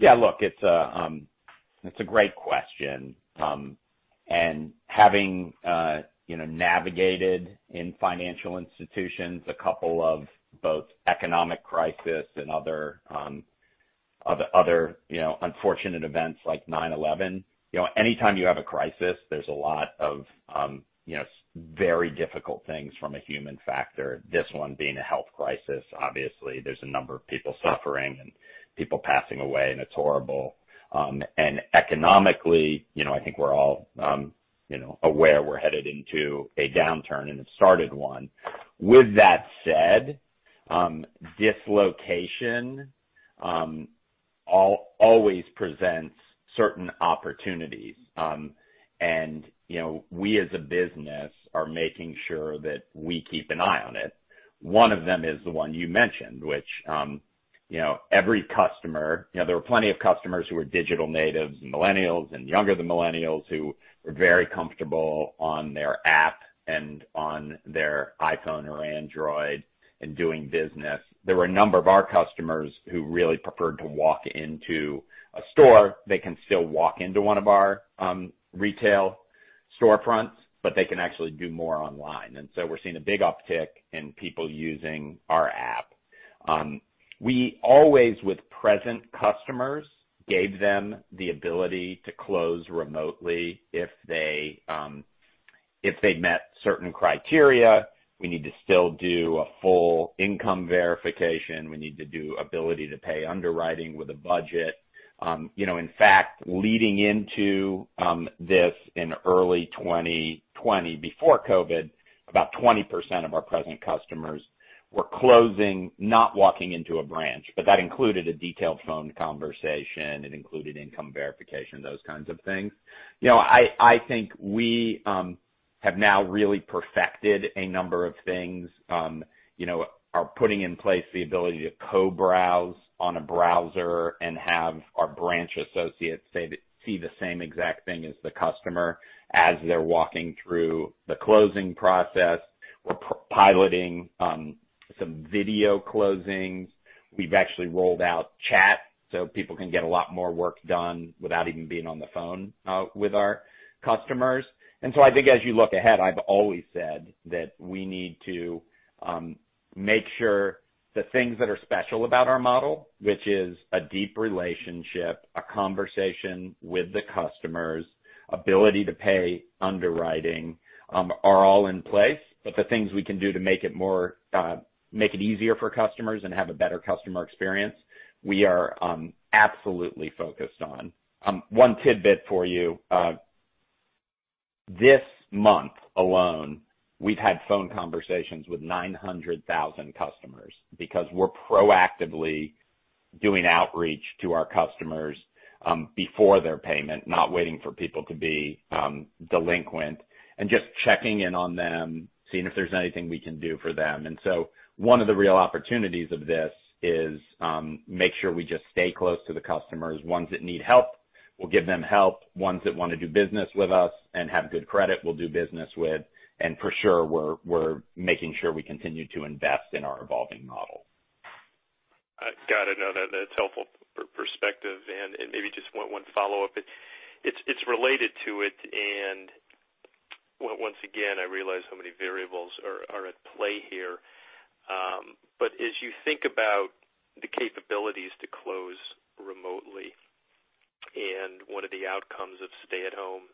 Yeah. Look, it's a great question. And having navigated in financial institutions a couple of both economic crisis and other unfortunate events like 9/11, anytime you have a crisis, there's a lot of very difficult things from a human factor, this one being a health crisis. Obviously, there's a number of people suffering and people passing away, and it's horrible. And economically, I think we're all aware we're headed into a downturn and have started one. With that said, dislocation always presents certain opportunities. And we, as a business, are making sure that we keep an eye on it. One of them is the one you mentioned, which every customer, there were plenty of customers who were digital natives and millennials and younger than millennials who were very comfortable on their app and on their iPhone or Android and doing business. There were a number of our customers who really preferred to walk into a store. They can still walk into one of our retail storefronts, but they can actually do more online, and so we're seeing a big uptick in people using our app. We always, with present customers, gave them the ability to close remotely if they met certain criteria. We need to still do a full income verification. We need to do ability to pay underwriting with a budget. In fact, leading into this in early 2020, before COVID, about 20% of our present customers were closing, not walking into a branch, but that included a detailed phone conversation. It included income verification, those kinds of things. I think we have now really perfected a number of things, are putting in place the ability to co-browse on a browser and have our branch associates see the same exact thing as the customer as they're walking through the closing process. We're piloting some video closings. We've actually rolled out chat so people can get a lot more work done without even being on the phone with our customers, and so I think as you look ahead, I've always said that we need to make sure the things that are special about our model, which is a deep relationship, a conversation with the customers, ability to pay underwriting, are all in place, but the things we can do to make it easier for customers and have a better customer experience, we are absolutely focused on. One tidbit for you. This month alone, we've had phone conversations with 900,000 customers because we're proactively doing outreach to our customers before their payment, not waiting for people to be delinquent, and just checking in on them, seeing if there's anything we can do for them, and so one of the real opportunities of this is to make sure we just stay close to the customers. Ones that need help, we'll give them help. Ones that want to do business with us and have good credit, we'll do business with, and for sure, we're making sure we continue to invest in our evolving model. Got it. No, that's helpful perspective. And maybe just one follow-up. It's related to it. And once again, I realize how many variables are at play here. But as you think about the capabilities to close remotely and one of the outcomes of stay-at-home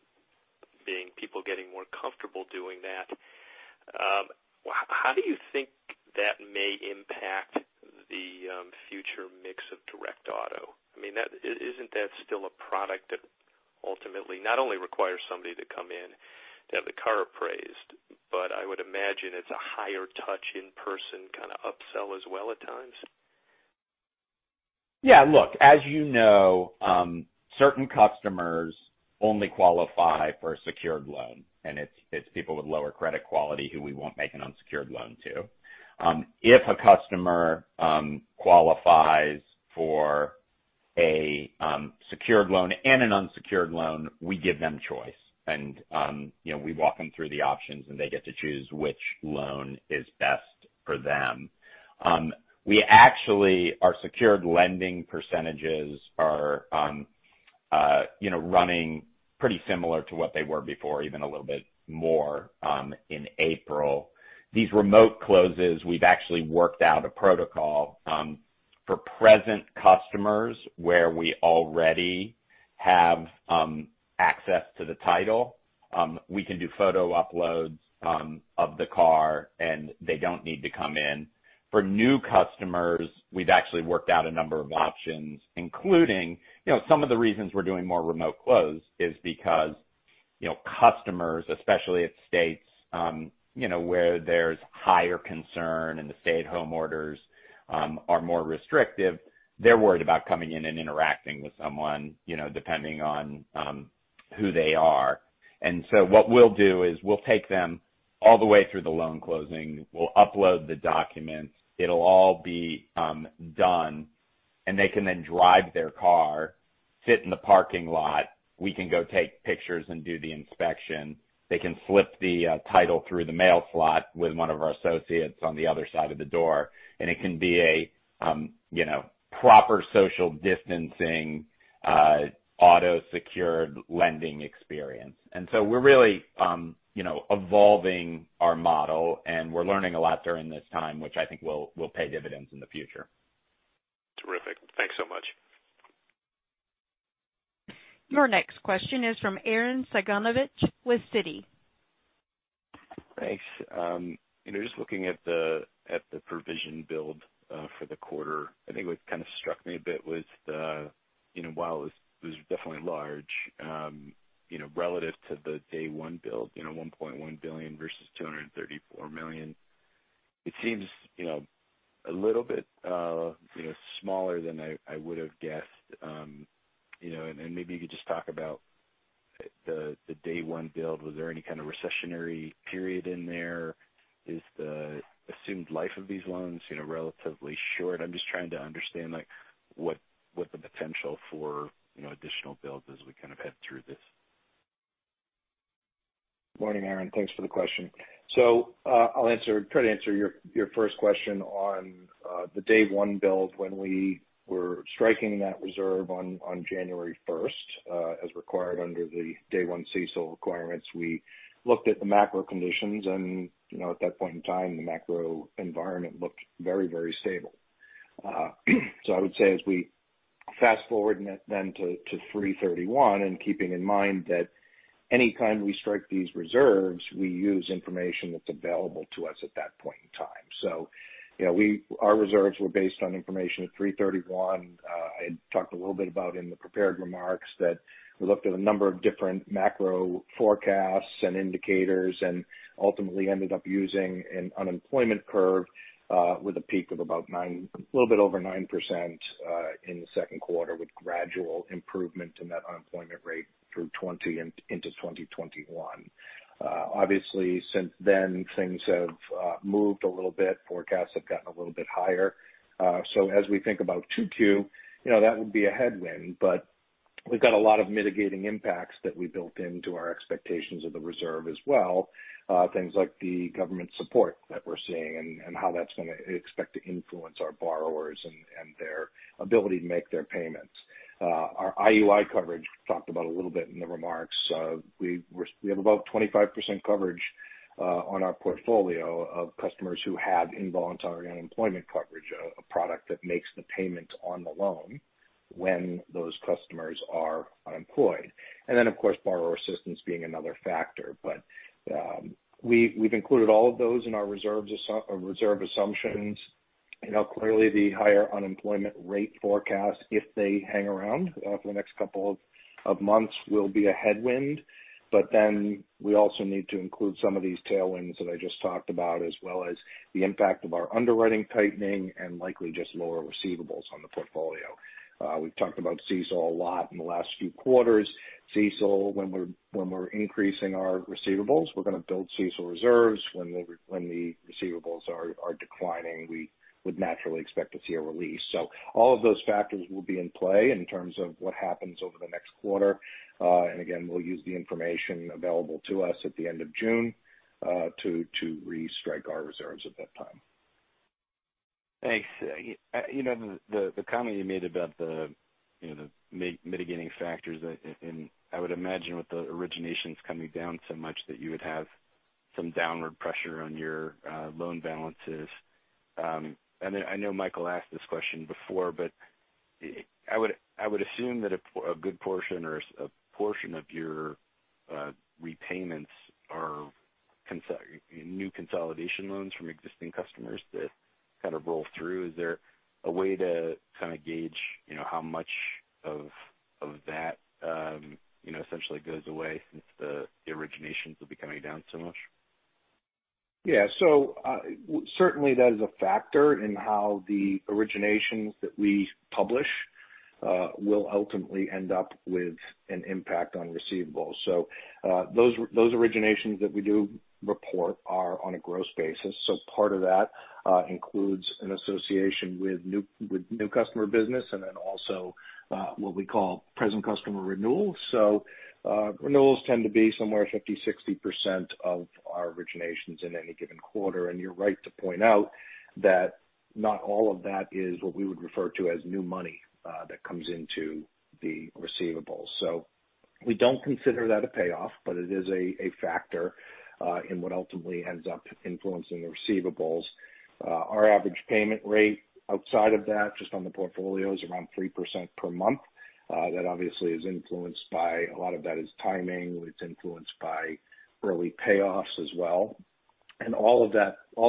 being people getting more comfortable doing that, how do you think that may impact the future mix of Direct Auto? I mean, isn't that still a product that ultimately not only requires somebody to come in to have the car appraised, but I would imagine it's a higher-touch in-person kind of upsell as well at times? Yeah. Look, as you know, certain customers only qualify for a secured loan, and it's people with lower credit quality who we won't make an unsecured loan to. If a customer qualifies for a secured loan and an unsecured loan, we give them choice. And we walk them through the options, and they get to choose which loan is best for them. Our Secured Lending percentages are running pretty similar to what they were before, even a little bit more in April. These remote closes, we've actually worked out a protocol for existing customers where we already have access to the title. We can do photo uploads of the car, and they don't need to come in. For new customers, we've actually worked out a number of options, including some of the reasons we're doing more remote closes, because customers, especially in states where there's higher concern and the stay-at-home orders are more restrictive, they're worried about coming in and interacting with someone depending on who they are, and so what we'll do is we'll take them all the way through the loan closing. We'll upload the documents. It'll all be done, and they can then drive their car, sit in the parking lot. We can go take pictures and do the inspection. They can slip the title through the mail slot with one of our associates on the other side of the door, and it can be a proper social distancing, auto-secured lending experience. We're really evolving our model, and we're learning a lot during this time, which I think will pay dividends in the future. Terrific. Thanks so much. Your next question is from Arren Cyganovich with Citi. Thanks. Just looking at the provision build for the quarter, I think what kind of struck me a bit was while it was definitely large relative to the day-one build, $1.1 billion versus $234 million, it seems a little bit smaller than I would have guessed. And maybe you could just talk about the day-one build. Was there any kind of recessionary period in there? Is the assumed life of these loans relatively short? I'm just trying to understand what the potential for additional builds as we kind of head through this. Good morning, Arren. Thanks for the question. So I'll try to answer your first question on the day-one build. When we were striking that reserve on January 1st, as required under the day-one CECL requirements, we looked at the macro conditions. And at that point in time, the macro environment looked very, very stable. So I would say as we fast forward then to 3/31, and keeping in mind that anytime we strike these reserves, we use information that's available to us at that point in time. So our reserves were based on information at 3/31. I had talked a little bit about in the prepared remarks that we looked at a number of different macro forecasts and indicators and ultimately ended up using an unemployment curve with a peak of about a little bit over 9% in the second quarter with gradual improvement in that unemployment rate through 2020 into 2021. Obviously, since then, things have moved a little bit. Forecasts have gotten a little bit higher. So as we think about 2Q, that would be a headwind. But we've got a lot of mitigating impacts that we built into our expectations of the reserve as well, things like the government support that we're seeing and how that's going to expect to influence our borrowers and their ability to make their payments. Our IUI coverage, we talked about a little bit in the remarks. We have about 25% coverage on our portfolio of customers who have involuntary unemployment coverage, a product that makes the payment on the loan when those customers are unemployed, and then, of course, borrower assistance being another factor, but we've included all of those in our reserve assumptions. Clearly, the higher unemployment rate forecast, if they hang around for the next couple of months, will be a headwind, but then we also need to include some of these tailwinds that I just talked about, as well as the impact of our underwriting tightening and likely just lower receivables on the portfolio. We've talked about CECL a lot in the last few quarters. CECL, when we're increasing our receivables, we're going to build CECL reserves. When the receivables are declining, we would naturally expect to see a release. So all of those factors will be in play in terms of what happens over the next quarter. And again, we'll use the information available to us at the end of June to re-strike our reserves at that time. Thanks. The comment you made about the mitigating factors, and I would imagine with the originations coming down so much that you would have some downward pressure on your loan balances, and I know Michael asked this question before, but I would assume that a good portion or a portion of your repayments are new consolidation loans from existing customers that kind of roll through. Is there a way to kind of gauge how much of that essentially goes away since the originations will be coming down so much? Yeah. So certainly, that is a factor in how the originations that we publish will ultimately end up with an impact on receivables. So those originations that we do report are on a gross basis. So part of that includes an association with new customer business and then also what we call present customer renewal. So renewals tend to be somewhere 50%-60% of our originations in any given quarter. And you're right to point out that not all of that is what we would refer to as new money that comes into the receivables. So we don't consider that a payoff, but it is a factor in what ultimately ends up influencing the receivables. Our average payment rate outside of that, just on the portfolio, is around 3% per month. That obviously is influenced by a lot of that is timing. It's influenced by early payoffs as well. All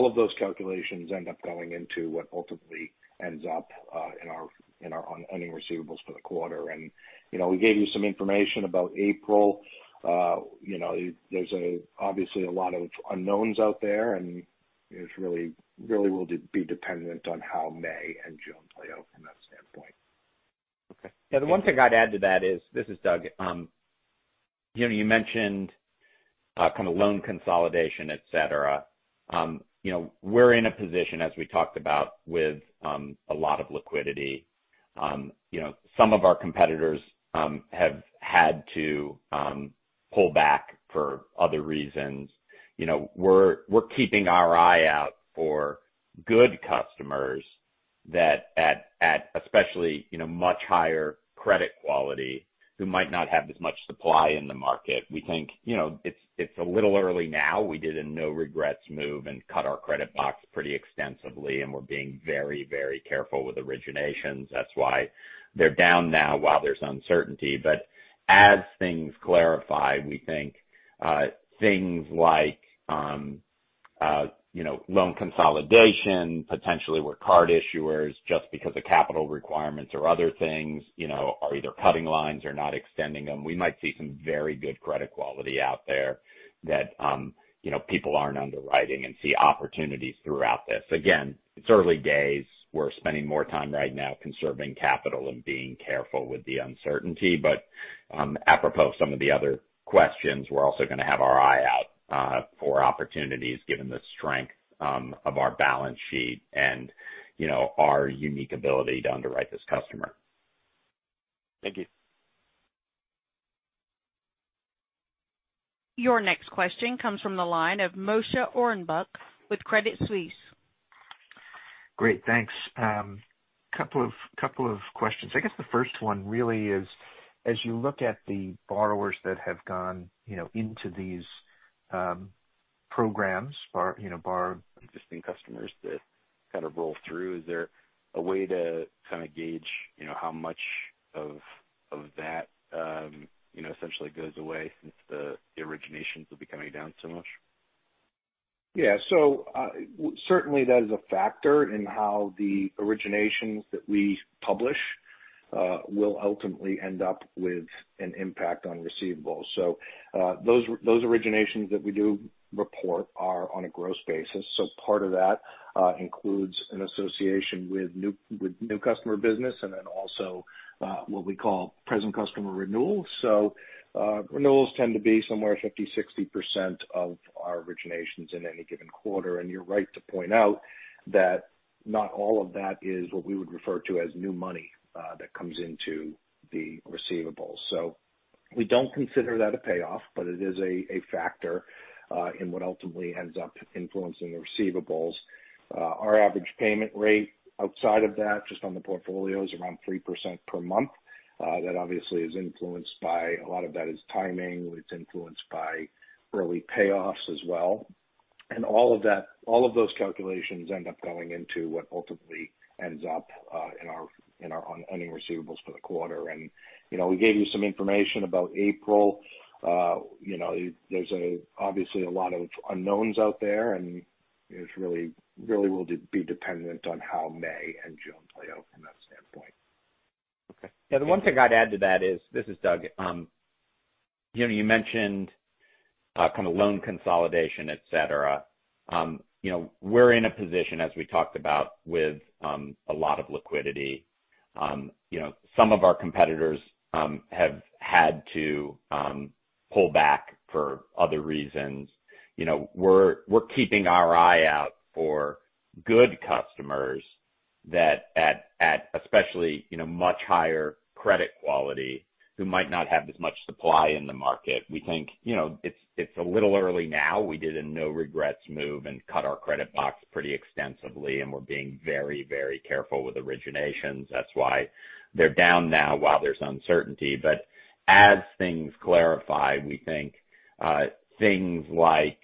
of those calculations end up going into what ultimately ends up in our ending receivables for the quarter. We gave you some information about April. There's obviously a lot of unknowns out there, and it really will be dependent on how May and June play out from that standpoint. Okay. Yeah. The one thing I'd add to that is, this is Doug. You mentioned kind of loan consolidation, etc. We're in a position, as we talked about, with a lot of liquidity. Some of our competitors have had to pull back for other reasons. We're keeping our eye out for good customers that, especially much higher credit quality, who might not have as much supply in the market. We think it's a little early now. We did a no-regrets move and cut our credit box pretty extensively, and we're being very, very careful with originations. That's why they're down now while there's uncertainty. But as things clarify, we think things like loan consolidation, potentially where card issuers, just because of capital requirements or other things, are either cutting lines or not extending them. We might see some very good credit quality out there that people aren't underwriting and see opportunities throughout this. Again, it's early days. We're spending more time right now conserving capital and being careful with the uncertainty. But apropos of some of the other questions, we're also going to have our eye out for opportunities given the strength of our balance sheet and our unique ability to underwrite this customer. Thank you. Your next question comes from the line of Moshe Orenbuch with Credit Suisse. Great. Thanks. A couple of questions. I guess the first one really is, as you look at the borrowers that have gone into these programs, borrowed. Existing customers that kind of roll through? Is there a way to kind of gauge how much of that essentially goes away since the originations will be coming down so much? Yeah. So certainly, that is a factor in how the originations that we publish will ultimately end up with an impact on receivables. So those originations that we do report are on a gross basis. So part of that includes an association with new customer business and then also what we call present customer renewal. So renewals tend to be somewhere 50%-60% of our originations in any given quarter. And you're right to point out that not all of that is what we would refer to as new money that comes into the receivables. So we don't consider that a payoff, but it is a factor in what ultimately ends up influencing the receivables. Our average payment rate outside of that, just on the portfolio, is around 3% per month. That obviously is influenced by a lot of that is timing. It's influenced by early payoffs as well. And all of those calculations end up going into what ultimately ends up in our ending receivables for the quarter. And we gave you some information about April. There's obviously a lot of unknowns out there, and it really will be dependent on how May and June play out from that standpoint. Okay. Yeah. The one thing I'd add to that is, this is Doug. You mentioned kind of loan consolidation, etc. We're in a position, as we talked about, with a lot of liquidity. Some of our competitors have had to pull back for other reasons. We're keeping our eye out for good customers that, especially much higher credit quality, who might not have as much supply in the market. We think it's a little early now. We did a no-regrets move and cut our credit box pretty extensively, and we're being very, very careful with originations. That's why they're down now while there's uncertainty. But as things clarify, we think things like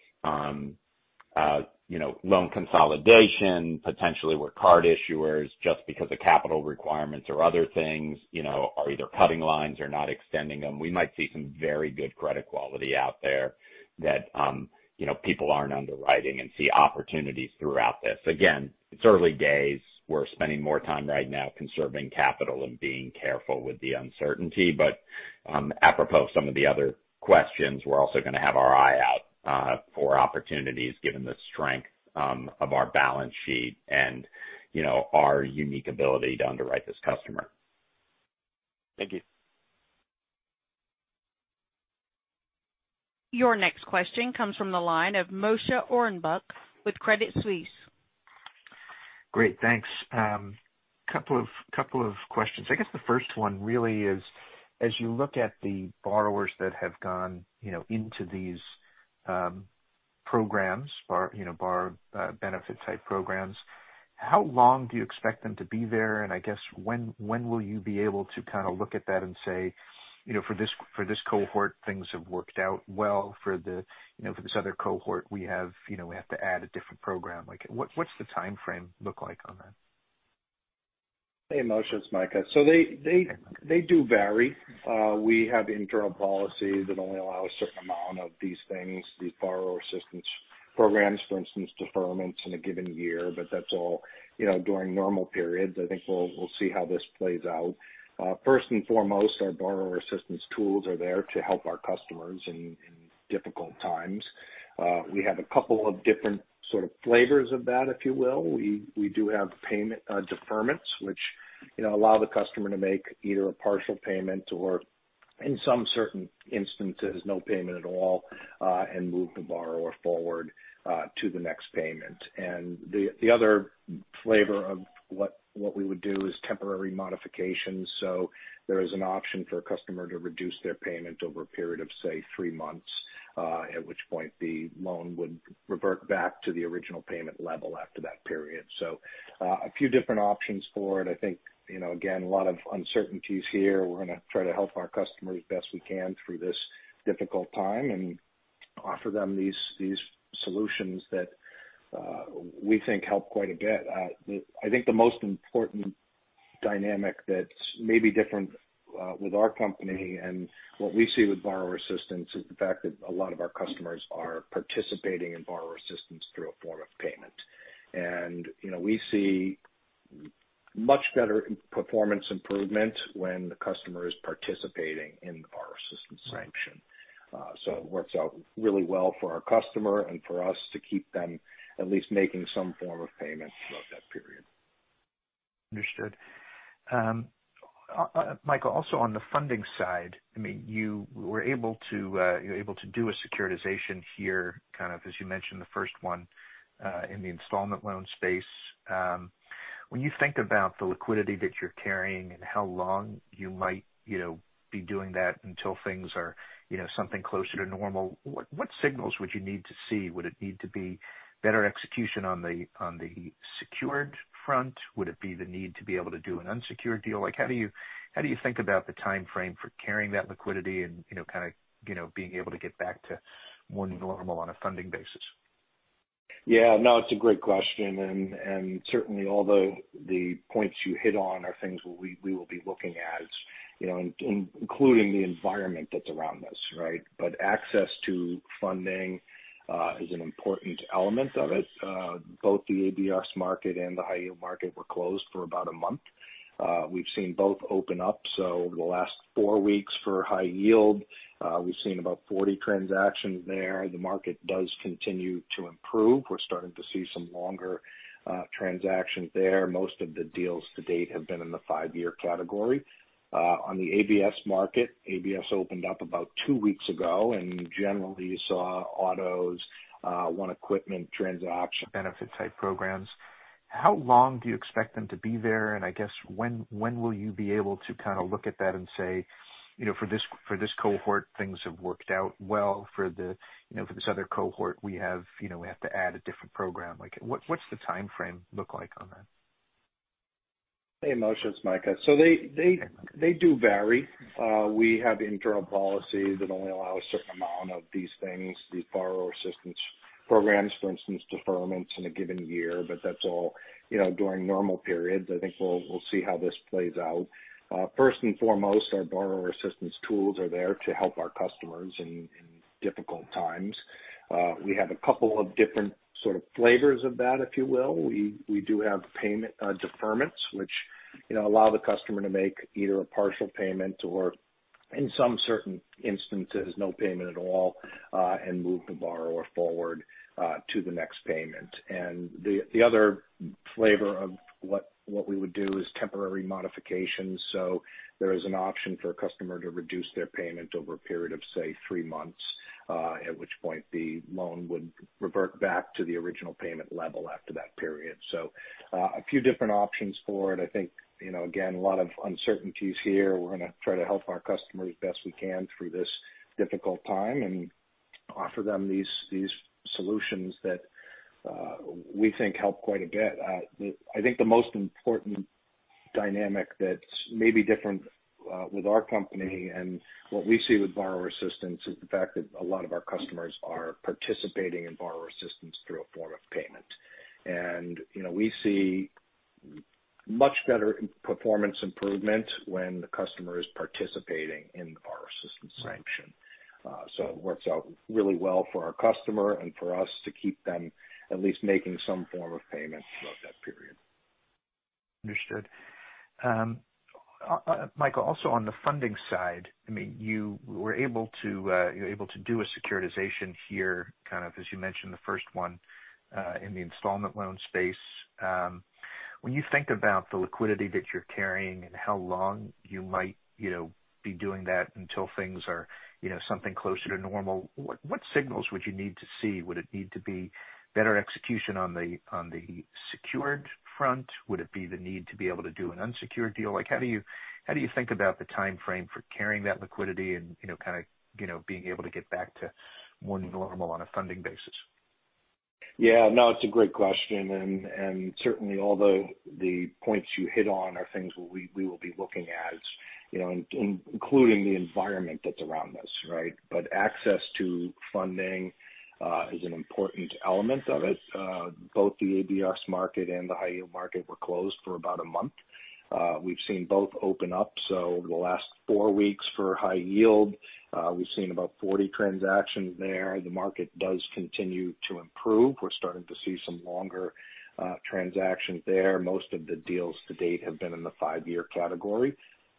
loan consolidation, potentially where card issuers, just because of capital requirements or other things, are either cutting lines or not extending them. We might see some very good credit quality out there that people aren't underwriting and see opportunities throughout this. Again, it's early days. We're spending more time right now conserving capital and being careful with the uncertainty. But apropos of some of the other questions, we're also going to have our eye out for opportunities given the strength of our balance sheet and our unique ability to underwrite this customer. Thank you. Your next question comes from the line of Moshe Orenbuch with Credit Suisse. Great. Thanks. A couple of questions. I guess the first one really is, as you look at the borrowers that have gone into these programs, borrower benefit-type programs, how long do you expect them to be there? And I guess when will you be able to kind of look at that and say, "For this cohort, things have worked out well. For this other cohort, we have to add a different program"? What's the timeframe look like on that? Hey, Moshe, it's Micah. So they do vary. We have internal policies that only allow a certain amount of these things, these borrower assistance programs, for instance, deferments in a given year, but that's all during normal periods. I think we'll see how this plays out. First and foremost, our borrower assistance tools are there to help our customers in difficult times. We have a couple of different sort of flavors of that, if you will. We do have deferments, which allow the customer to make either a partial payment or, in some certain instances, no payment at all and move the borrower forward to the next payment. And the other flavor of what we would do is temporary modifications. So there is an option for a customer to reduce their payment over a period of, say, three months, at which point the loan would revert back to the original payment level after that period. So a few different options for it. I think, again, a lot of uncertainties here. We're going to try to help our customers best we can through this difficult time and offer them these solutions that we think help quite a bit. I think the most important dynamic that's maybe different with our company and what we see with borrower assistance is the fact that a lot of our customers are participating in borrower assistance through a form of payment. And we see much better performance improvement when the customer is participating in the borrower assistance sanction. So it works out really well for our customer and for us to keep them at least making some form of payment throughout that period. Understood. Micah, also on the funding side, I mean, you were able to do a securitization here, kind of, as you mentioned, the first one in the installment loan space. When you think about the liquidity that you're carrying and how long you might be doing that until things are something closer to normal, what signals would you need to see? Would it need to be better execution on the secured front? Would it be the need to be able to do an unsecured deal? How do you think about the timeframe for carrying that liquidity and kind of being able to get back to more normal on a funding basis? Yeah. No, it's a great question. And certainly, all the points you hit on are things we will be looking at, including the environment that's around this, right? But access to funding is an important element of it. Both the ABS market and the high-yield market were closed for about a month. We've seen both open up. So over the last four weeks for high-yield, we've seen about 40 transactions there. The market does continue to improve. We're starting to see some longer transactions there. Most of the deals to date have been in the five-year category. On the ABS market, ABS opened up about two weeks ago, and generally, you saw autos and equipment transactions. Benefit-type programs. How long do you expect them to be there? And I guess when will you be able to kind of look at that and say, "For this cohort, things have worked out well. For this other cohort, we have to add a different program"? What's the timeframe look like on that? Hey, Moshe, it's Micah. So they do vary. We have internal policies that only allow a certain amount of these things, these borrower assistance programs, for instance, deferments in a given year, but that's all during normal periods. I think we'll see how this plays out. First and foremost, our borrower assistance tools are there to help our customers in difficult times. We have a couple of different sort of flavors of that, if you will. We do have deferments, which allow the customer to make either a partial payment or, in some certain instances, no payment at all and move the borrower forward to the next payment. And the other flavor of what we would do is temporary modifications. So there is an option for a customer to reduce their payment over a period of, say, three months, at which point the loan would revert back to the original payment level after that period. So a few different options for it. I think, again, a lot of uncertainties here. We're going to try to help our customers best we can through this difficult time and offer them these solutions that we think help quite a bit. I think the most important dynamic that's maybe different with our company and what we see with borrower assistance is the fact that a lot of our customers are participating in borrower assistance through a form of payment, and we see much better performance improvement when the customer is participating in the borrower assistance program. So it works out really well for our customer and for us to keep them at least making some form of payment throughout that period. Understood. Micah, also on the funding side, I mean, you were able to do a securitization here, kind of, as you mentioned, the first one in the installment loan space. When you think about the liquidity that you're carrying and how long you might be doing that until things are something closer to normal, what signals would you need to see? Would it need to be better execution on the secured front? Would it be the need to be able to do an unsecured deal? How do you think about the timeframe for carrying that liquidity and kind of being able to get back to more normal on a funding basis? Yeah. No, it's a great question. And certainly, all the points you hit on are things we will be looking at, including the environment that's around this, right? But access to funding is an important element of it. Both the ABS market and the high-yield market were closed for about a month. We've seen both open up. So over the last four weeks for high-yield, we've seen about 40 transactions there. The market does continue to improve. We're starting to see some longer transactions there. Most of the deals to date have been in the five-year category.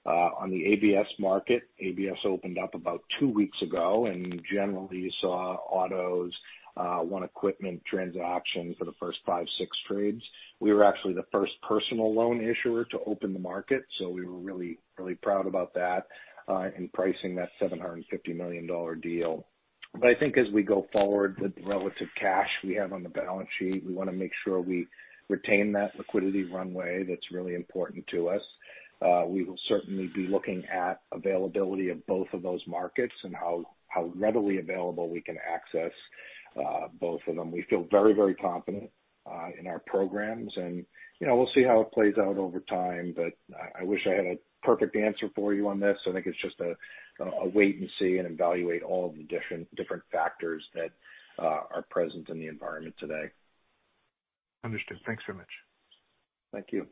On the ABS market, ABS opened up about two weeks ago, and generally, you saw autos and equipment transactions for the first five, six trades. We were actually the first personal loan issuer to open the market, so we were really, really proud about that and pricing that $750 million deal. But I think as we go forward with the relative cash we have on the balance sheet, we want to make sure we retain that liquidity runway that's really important to us. We will certainly be looking at availability of both of those markets and how readily available we can access both of them. We feel very, very confident in our programs, and we'll see how it plays out over time, but I wish I had a perfect answer for you on this. I think it's just a wait and see and evaluate all of the different factors that are present in the environment today. Understood. Thanks so much. Thank you.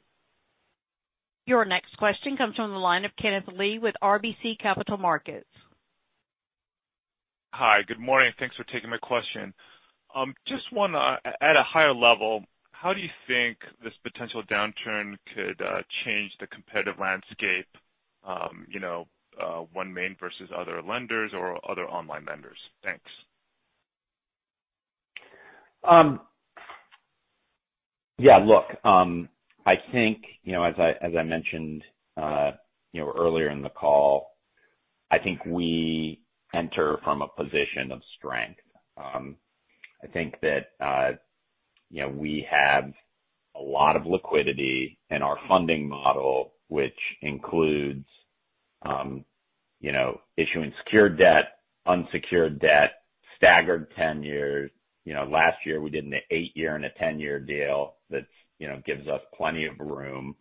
Your next question comes from the line of Kenneth Lee with RBC Capital Markets. Hi, good morning. Thanks for taking my question. Just one at a higher level, how do you think this potential downturn could change the competitive landscape, OneMain versus other lenders or other online lenders? Thanks. Yeah. Look, I think, as I mentioned earlier in the call, I think we enter from a position of strength. I think that we have a lot of liquidity in our funding model, which includes issuing secured debt, unsecured debt, staggered 10 years. Last year, we did an eight-year and a 10-year deal that gives us plenty of room,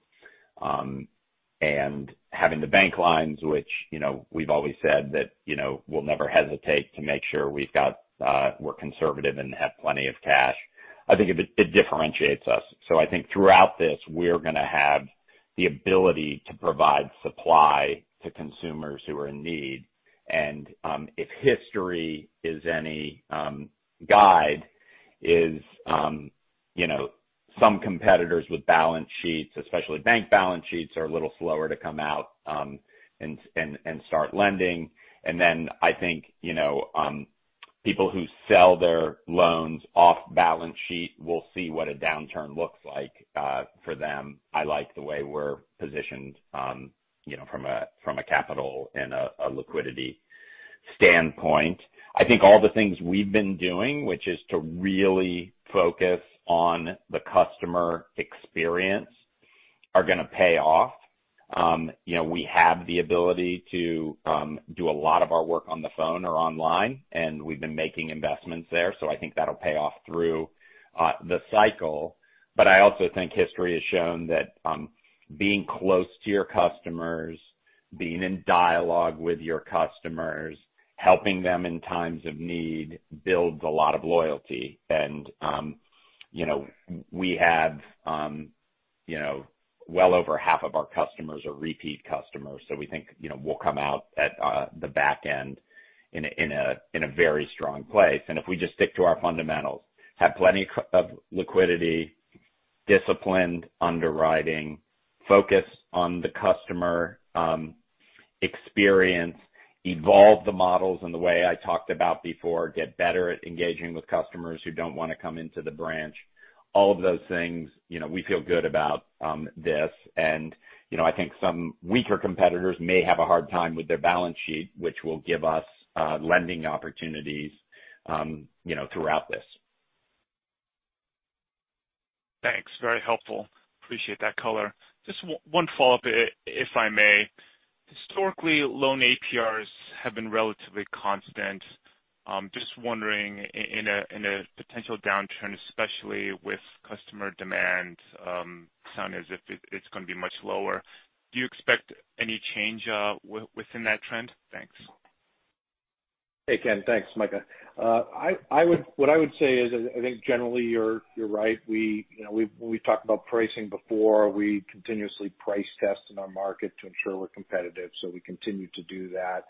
and having the bank lines, which we've always said that we'll never hesitate to make sure we're conservative and have plenty of cash, I think it differentiates us, so I think throughout this, we're going to have the ability to provide supply to consumers who are in need, and if history is any guide, some competitors with balance sheets, especially bank balance sheets, are a little slower to come out and start lending. And then I think people who sell their loans off balance sheet will see what a downturn looks like for them. I like the way we're positioned from a capital and a liquidity standpoint. I think all the things we've been doing, which is to really focus on the customer experience, are going to pay off. We have the ability to do a lot of our work on the phone or online, and we've been making investments there. So I think that'll pay off through the cycle. But I also think history has shown that being close to your customers, being in dialogue with your customers, helping them in times of need builds a lot of loyalty. And we have well over half of our customers are repeat customers, so we think we'll come out at the back end in a very strong place. If we just stick to our fundamentals, have plenty of liquidity, disciplined underwriting, focus on the customer experience, evolve the models in the way I talked about before, get better at engaging with customers who don't want to come into the branch, all of those things, we feel good about this. I think some weaker competitors may have a hard time with their balance sheet, which will give us lending opportunities throughout this. Thanks. Very helpful. Appreciate that color. Just one follow-up, if I may. Historically, loan APRs have been relatively constant. Just wondering, in a potential downturn, especially with customer demand, it sounded as if it's going to be much lower. Do you expect any change within that trend? Thanks. Hey, Ken. Thanks, Micah. What I would say is, I think, generally, you're right. We've talked about pricing before. We continuously price test in our market to ensure we're competitive, so we continue to do that.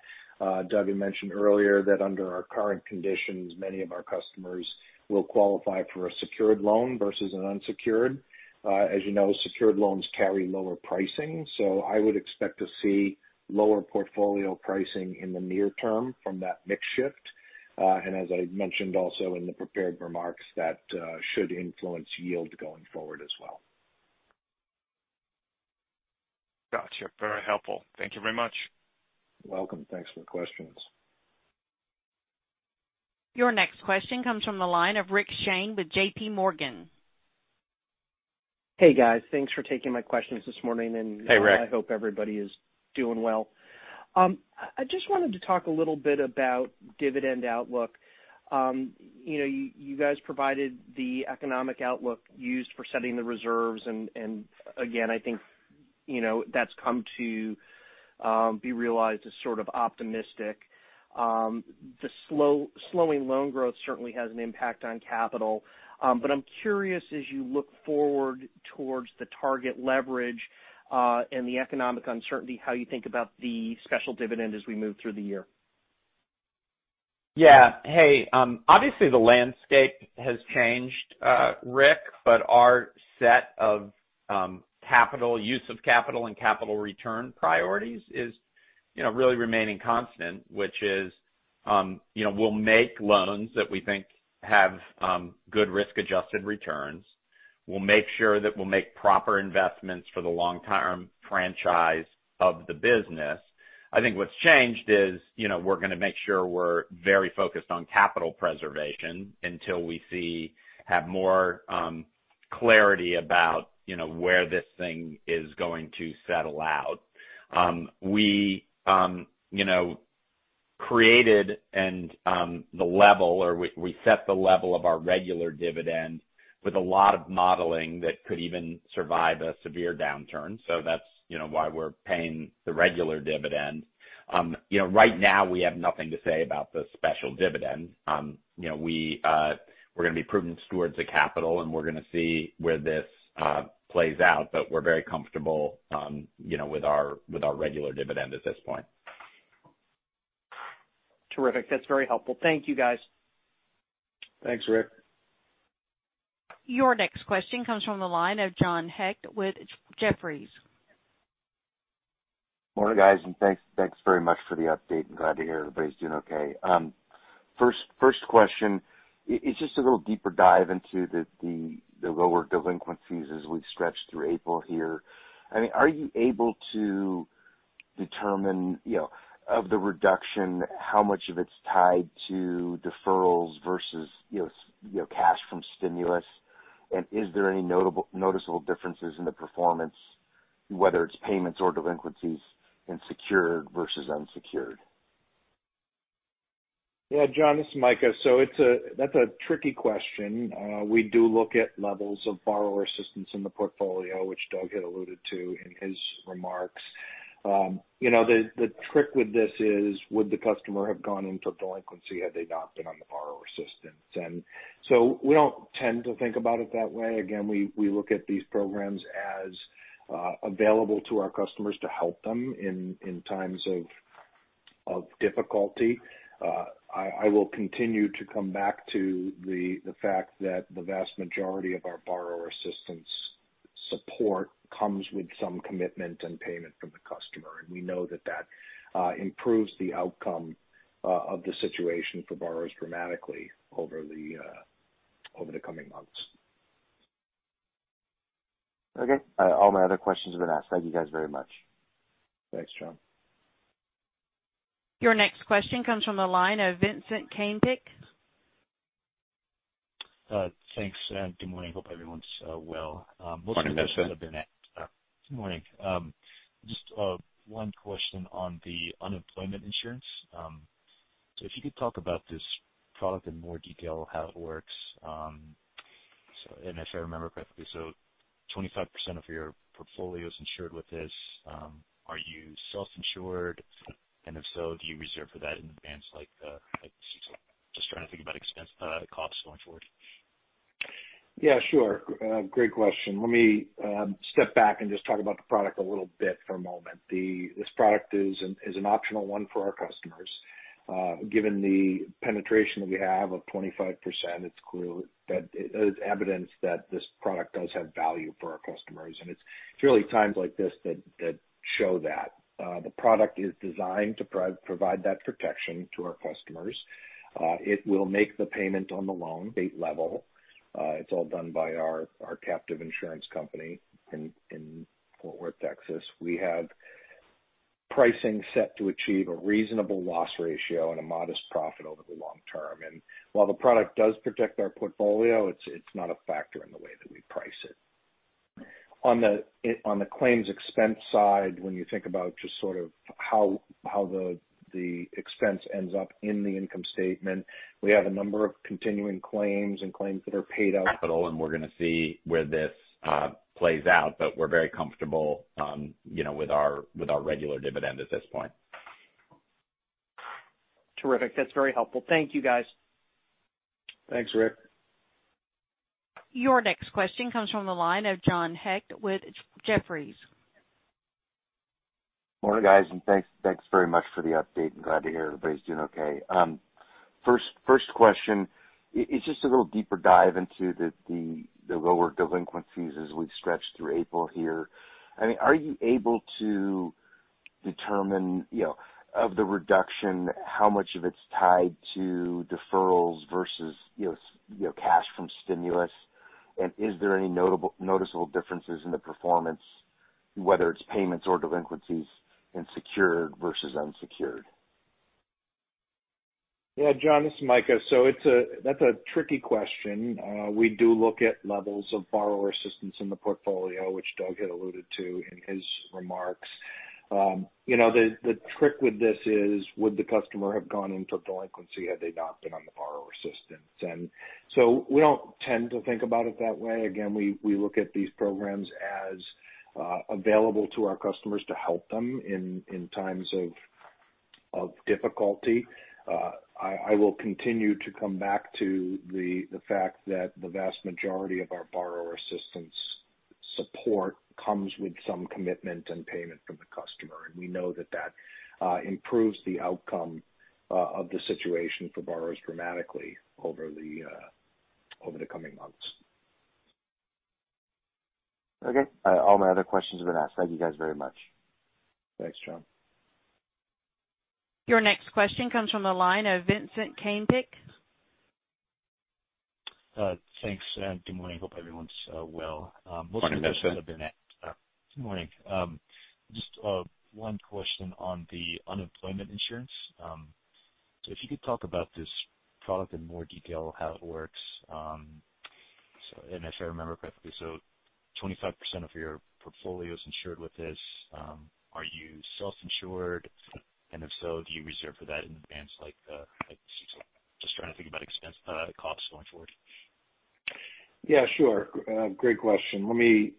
Doug, you mentioned earlier that under our current conditions, many of our customers will qualify for a secured loan versus an unsecured. As you know, secured loans carry lower pricing, so I would expect to see lower portfolio pricing in the near term from that mix shift. And as I mentioned also in the prepared remarks, that should influence yield going forward as well. Gotcha. Very helpful. Thank you very much. You're welcome. Thanks for the questions. Your next question comes from the line of Rick Shane with J.P. Morgan. Hey, guys. Thanks for taking my questions this morning, and I hope everybody is doing well. I just wanted to talk a little bit about dividend outlook. You guys provided the economic outlook used for setting the reserves, and again, I think that's come to be realized as sort of optimistic. The slowing loan growth certainly has an impact on capital, but I'm curious, as you look forward towards the target leverage and the economic uncertainty, how you think about the special dividend as we move through the year. Yeah. Hey, obviously, the landscape has changed, Rick, but our set of capital, use of capital, and capital return priorities is really remaining constant, which is we'll make loans that we think have good risk-adjusted returns. We'll make sure that we'll make proper investments for the long-term franchise of the business. I think what's changed is we're going to make sure we're very focused on capital preservation until we have more clarity about where this thing is going to settle out. We created the level, or we set the level of our regular dividend with a lot of modeling that could even survive a severe downturn, so that's why we're paying the regular dividend. Right now, we have nothing to say about the special dividend. We're going to be prudent stewards of capital, and we're going to see where this plays out, but we're very comfortable with our regular dividend at this point. Terrific. That's very helpful. Thank you, guys. Thanks, Rick. Your next question comes from the line of John Hecht with Jefferies. Morning, guys, and thanks very much for the update. I'm glad to hear everybody's doing okay. First question is just a little deeper dive into the lower delinquencies as we've stretched through April here. I mean, are you able to determine, of the reduction, how much of it's tied to deferrals versus cash from stimulus? And is there any noticeable differences in the performance, whether it's payments or delinquencies, in secured versus unsecured? Yeah, John, this is Micah. So that's a tricky question. We do look at levels of borrower assistance in the portfolio, which Doug had alluded to in his remarks. The trick with this is, would the customer have gone into delinquency had they not been on the borrower assistance? And so we don't tend to think about it that way. Again, we look at these programs as available to our customers to help them in times of difficulty. I will continue to come back to the fact that the vast majority of our borrower assistance support comes with some commitment and payment from the customer, and we know that that improves the outcome of the situation for borrowers dramatically over the coming months. Okay. All my other questions have been asked. Thank you guys very much. Thanks, John. Your next question comes from the line of Vincent Caintic. Thanks, and good morning. Hope everyone's well. Good morning. Just one question on the unemployment insurance. So if you could talk about this product in more detail, how it works. And if I remember correctly, so 25% of your portfolio is insured with this. Are you self-insured? And if so, do you reserve for that in advance? Just trying to think about costs going forward. Yeah, sure. Great question. Let me step back and just talk about the product a little bit for a moment. This product is an optional one for our customers. Given the penetration that we have of 25%, it's evidence that this product does have value for our customers. And it's really times like this that show that. The product is designed to provide that protection to our customers. It will make the payment on the loan. State level. It's all done by our captive insurance company in Fort Worth, Texas. We have pricing set to achieve a reasonable loss ratio and a modest profit over the long term. And while the product does protect our portfolio, it's not a factor in the way that we price it. On the claims expense side, when you think about just sort of how the expense ends up in the income statement, we have a number of continuing claims and claims that are paid out. Capital, and we're going to see where this plays out, but we're very comfortable with our regular dividend at this point. Terrific. That's very helpful. Thank you, guys. Thanks, Rick. Your next question comes from the line of John Hecht with Jefferies. Morning, guys, and thanks very much for the update. I'm glad to hear everybody's doing okay. First question, it's just a little deeper dive into the lower delinquencies as we've stretched through April here. I mean, are you able to determine, of the reduction, how much of it's tied to deferrals versus cash from stimulus? And is there any noticeable differences in the performance, whether it's payments or delinquencies, in secured versus unsecured? Yeah, John, this is Micah, so that's a tricky question. We do look at levels of borrower assistance in the portfolio, which Doug had alluded to in his remarks. The trick with this is, would the customer have gone into delinquency had they not been on the borrower assistance, and so we don't tend to think about it that way. Again, we look at these programs as available to our customers to help them in times of difficulty. I will continue to come back to the fact that the vast majority of our borrower assistance support comes with some commitment and payment from the customer. And we know that that improves the outcome of the situation for borrowers dramatically over the coming months. Okay. All my other questions have been asked. Thank you guys very much. Thanks, John. Your next question comes from the line of Vincent Caintic. Thanks, and good morning. Hope everyone's well. Good morning. Just one question on the unemployment insurance, so if you could talk about this product in more detail, how it works, and if I remember correctly, so 25% of your portfolio is insured with this. Are you self-insured, and if so, do you reserve for that in advance? Just trying to think about expense costs going forward. Yeah, sure. Great question. Let me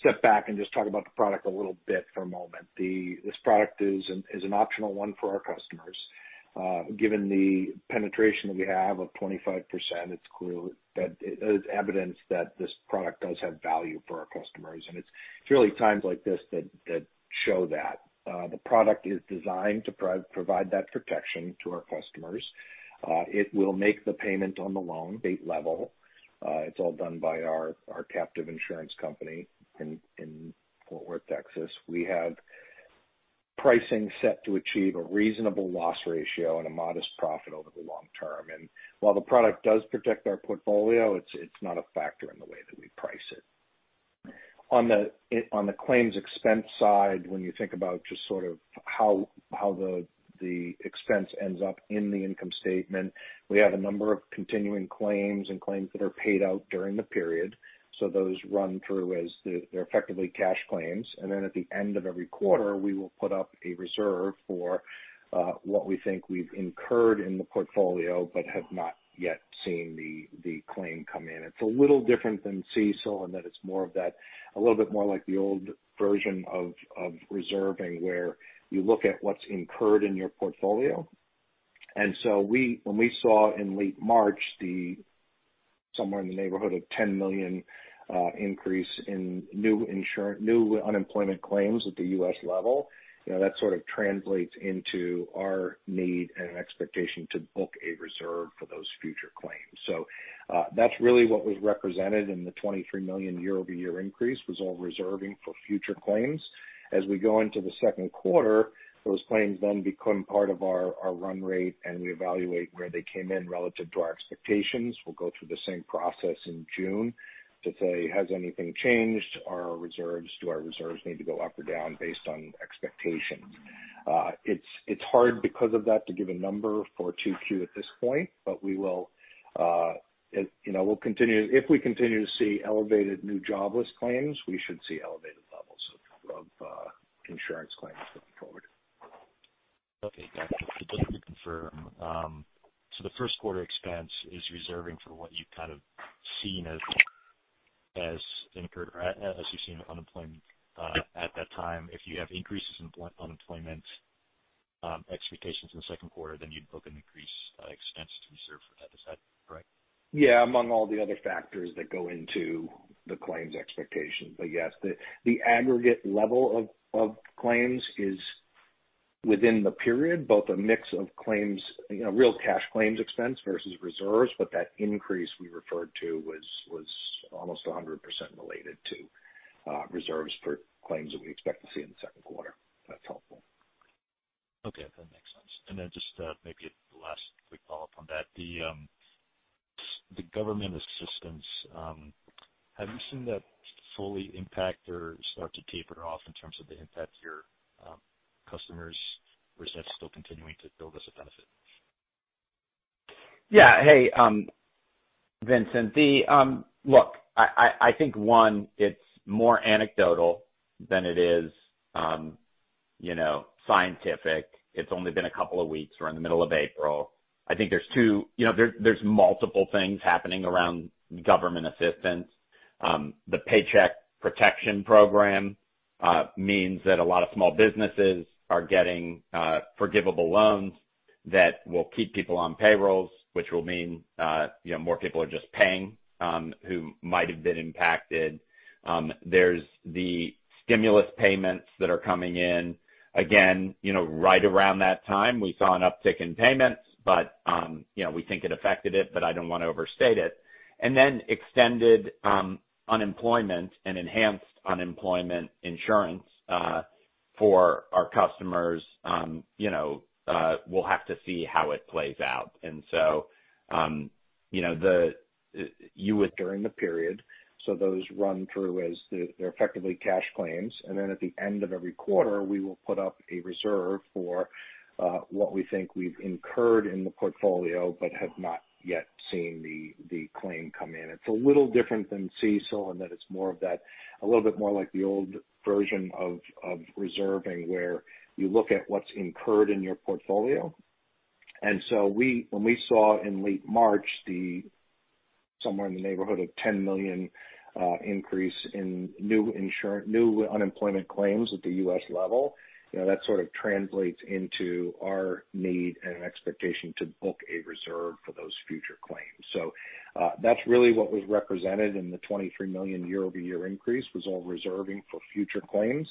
step back and just talk about the product a little bit for a moment. This product is an optional one for our customers. Given the penetration that we have of 25%, it's evidence that this product does have value for our customers, and it's really times like this that show that. The product is designed to provide that protection to our customers. It will make the payment on the loan. State level. It's all done by our captive insurance company in Fort Worth, Texas. We have pricing set to achieve a reasonable loss ratio and a modest profit over the long term, and while the product does protect our portfolio, it's not a factor in the way that we price it. On the claims expense side, when you think about just sort of how the expense ends up in the income statement, we have a number of continuing claims and claims that are paid out during the period. So those run through as they're effectively cash claims. And then at the end of every quarter, we will put up a reserve for what we think we've incurred in the portfolio but have not yet seen the claim come in. It's a little different than CECL in that it's more of that, a little bit more like the old version of reserving where you look at what's incurred in your portfolio. And so when we saw in late March somewhere in the neighborhood of 10 million increase in new unemployment claims at the U.S. level, that sort of translates into our need and expectation to book a reserve for those future claims. So that's really what was represented in the 23 million year-over-year increase was all reserving for future claims.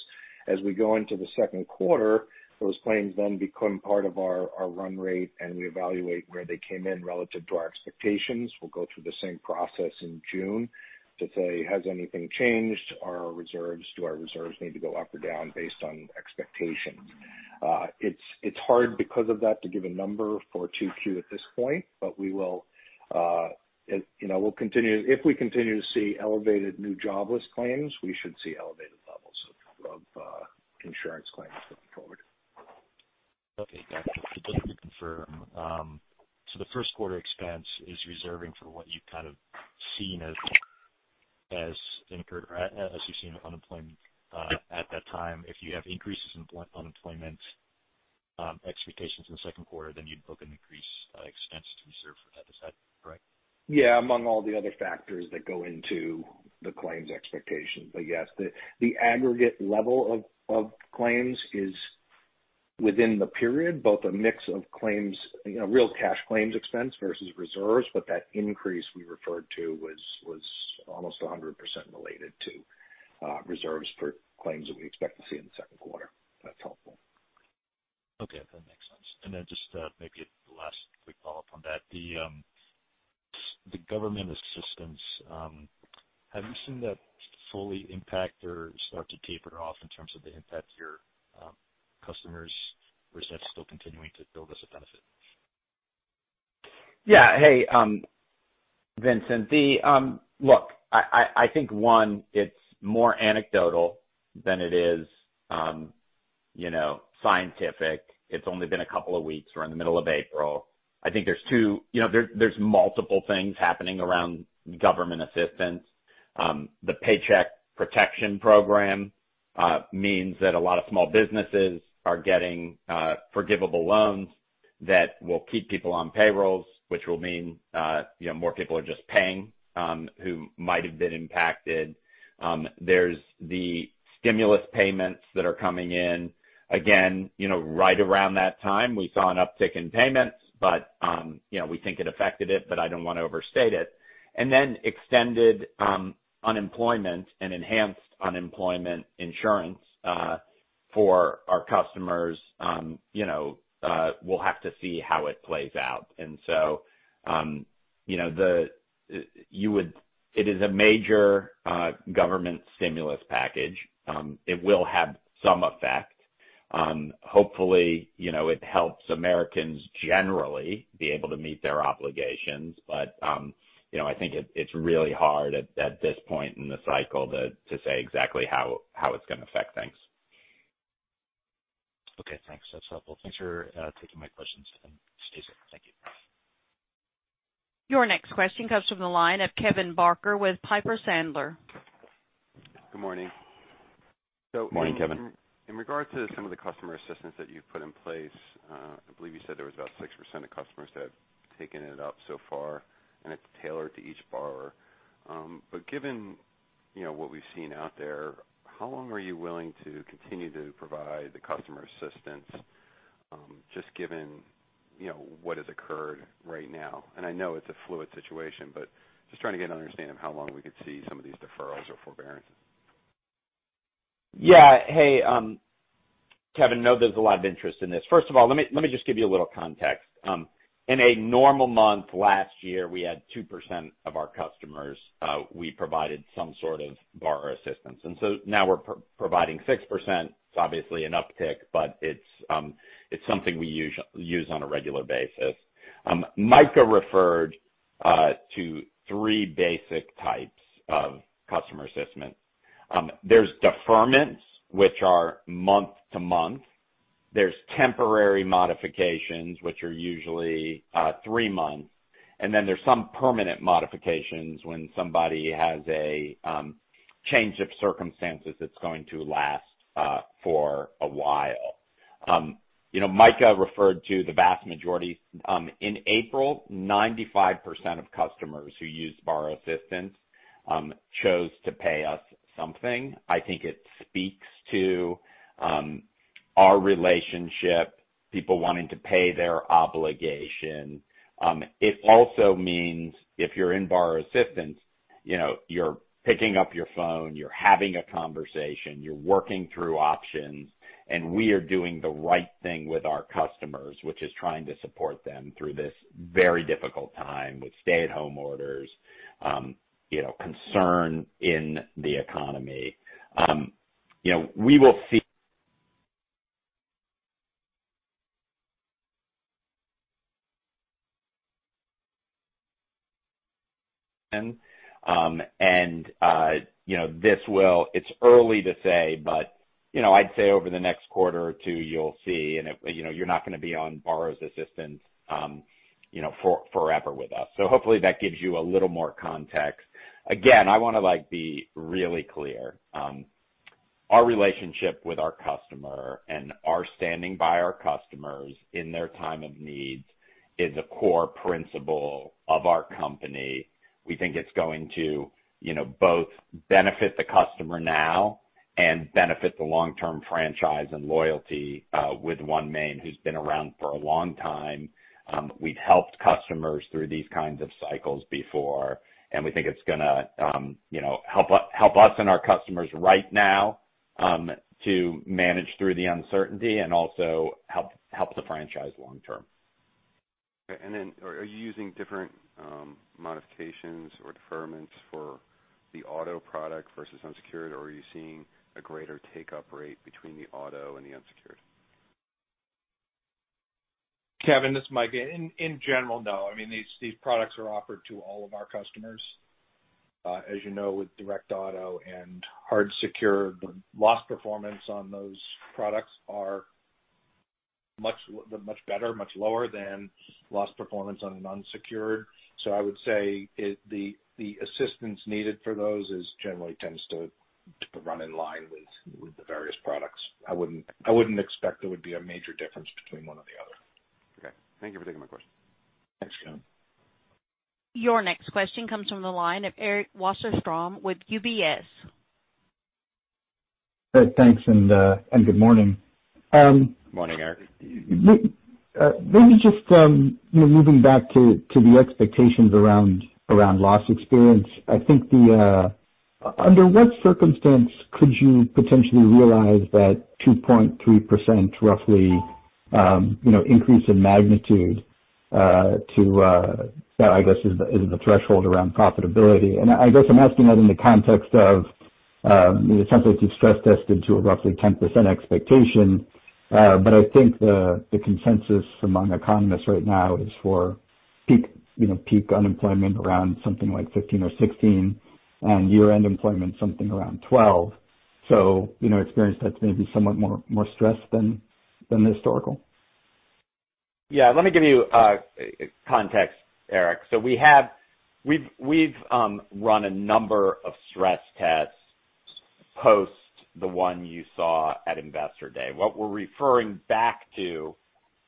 As we go into the second quarter, those claims then become part of our run rate, and we evaluate where they came in relative to our expectations. We'll go through the same process in June to say, "Has anything changed? Do our reserves need to go up or down based on expectations?" It's hard because of that to give a number for 2Q at this point, but we will continue to, if we continue to see elevated new jobless claims, we should see elevated levels of insurance claims going forward. Okay. Gotcha. So just to confirm, so the first quarter expense is reserving for what you've kind of seen as incurred, as you've seen unemployment at that time. If you have increases in unemployment expectations in the second quarter, then you'd book an increased expense to reserve for that. Is that correct? Yeah, among all the other factors that go into the claims expectation, but yes, the aggregate level of claims is within the period, both a mix of real cash claims expense versus reserves, but that increase we referred to was almost 100% related to reserves for claims that we expect to see in the second quarter. That's helpful. Okay. That makes sense. And then just maybe the last quick follow-up on that. The government assistance, have you seen that fully impact or start to taper off in terms of the impact your customers receive? Is that still continuing to build as a benefit? Yeah. Hey, Vincent, look, I think, one, it's more anecdotal than it is scientific. It's only been a couple of weeks. We're in the middle of April. I think there's two, there's multiple things happening around government assistance. The Paycheck Protection Program means that a lot of small businesses are getting forgivable loans that will keep people on payrolls, which will mean more people are just paying who might have been impacted. There's the stimulus payments that are coming in. Again, right around that time, we saw an uptick in payments, but we think it affected it, but I don't want to overstate it. And then extended unemployment and enhanced unemployment insurance Okay. Thanks. That's helpful. Thanks for taking my questions, Steven. Thank you. Your next question comes from the line of Kevin Barker with Piper Sandler. Good morning. Good morning, Kevin. In regard to some of the customer assistance that you've put in place, I believe you said there was about 6% of customers that have taken it up so far, and it's tailored to each borrower. But given what we've seen out there, how long are you willing to continue to provide the customer assistance just given what has occurred right now? And I know it's a fluid situation, but just trying to get an understanding of how long we could see some of these deferrals or forbearances. Yeah. Hey, Kevin, I know there's a lot of interest in this. First of all, let me just give you a little context. In a normal month last year, we had 2% of our customers we provided some sort of borrower assistance. And so now we're providing 6%. It's obviously an uptick, but it's something we use on a regular basis. Micah referred to three basic types of customer assistance. There's deferments, which are month-to-month. There's temporary modifications, which are usually three months. And then there's some permanent modifications when somebody has a change of circumstances that's going to last for a while. Micah referred to the vast majority. In April, 95% of customers who used borrower assistance chose to pay us something. I think it speaks to our relationship, people wanting to pay their obligation. It also means if you're in borrower assistance, you're picking up your phone, you're having a conversation, you're working through options, and we are doing the right thing with our customers, which is trying to support them through this very difficult time with stay-at-home orders, concern in the economy. We will see and this will, it's early to say, but I'd say over the next quarter or two, you'll see, and you're not going to be on borrower assistance forever with us, so hopefully, that gives you a little more context. Again, I want to be really clear. Our relationship with our customer and our standing by our customers in their time of need is a core principle of our company. We think it's going to both benefit the customer now and benefit the long-term franchise and loyalty with OneMain who's been around for a long time. We've helped customers through these kinds of cycles before, and we think it's going to help us and our customers right now to manage through the uncertainty and also help the franchise long-term. Okay. And then are you using different modifications or deferments for the auto product versus unsecured, or are you seeing a greater take-up rate between the auto and the unsecured? Kevin, this is Micah. In general, no. I mean, these products are offered to all of our customers. As you know, with Direct Auto and hard-secured, the loss performance on those products are much better, much lower than loss performance on an unsecured. So I would say the assistance needed for those generally tends to run in line with the various products. I wouldn't expect there would be a major difference between one or the other. Okay. Thank you for taking my question. Thanks, Kevin. Your next question comes from the line of Eric Wasserstrom with UBS. Thanks. And good morning. Good morning, Eric. Maybe just moving back to the expectations around loss experience. I think under what circumstance could you potentially realize that 2.3% roughly increase in magnitude to, I guess, is the threshold around profitability? And I guess I'm asking that in the context of something that you've stress-tested to a roughly 10% expectation. But I think the consensus among economists right now is for peak unemployment around something like 15% or 16% and year-end employment something around 12%. So experience that's maybe somewhat more stressed than the historical. Yeah. Let me give you context, Eric. So we've run a number of stress tests post the one you saw at Investor Day. What we're referring back to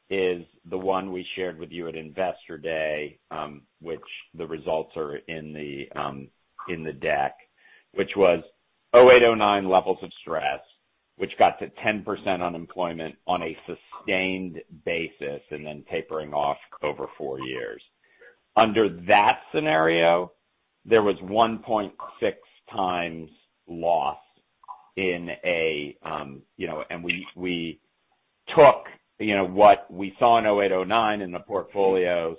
is the one we shared with you at Investor Day, which the results are in the deck, which was 2008-2009 levels of stress, which got to 10% unemployment on a sustained basis and then tapering off over four years. Under that scenario, there was 1.6 times loss—and we took what we saw in 2008-2009 in the portfolios,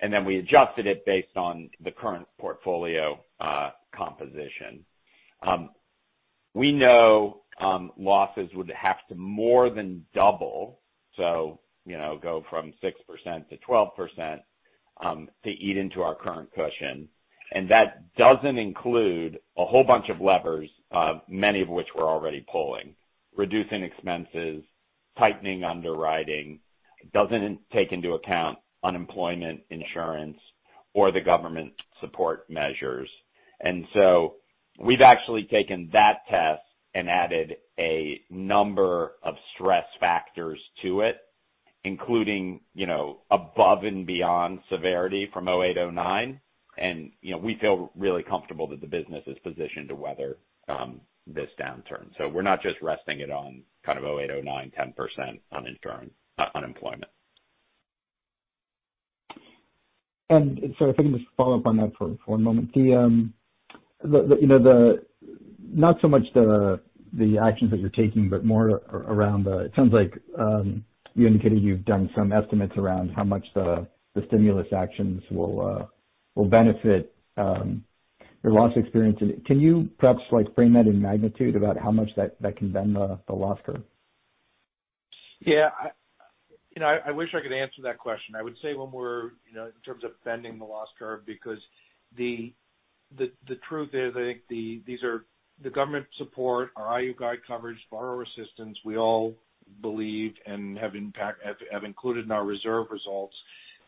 and then we adjusted it based on the current portfolio composition. We know losses would have to more than double, so go from 6%-12% to eat into our current cushion. And that doesn't include a whole bunch of levers, many of which we're already pulling: reducing expenses, tightening underwriting. It doesn't take into account unemployment insurance or the government support measures. And so we've actually taken that test and added a number of stress factors to it, including above and beyond severity from 2008-2009. And we feel really comfortable that the business is positioned to weather this downturn. So we're not just resting it on kind of 2008-2009, 10% unemployment. Sorry, if I can just follow up on that for a moment. Not so much the actions that you're taking, but more around the. It sounds like you indicated you've done some estimates around how much the stimulus actions will benefit your loss experience. Can you perhaps frame that in magnitude about how much that can bend the loss curve? Yeah. I wish I could answer that question. I would say when we're in terms of bending the loss curve, because the truth is, I think the government support, our IUI guide coverage, borrower assistance, we all believe and have included in our reserve results,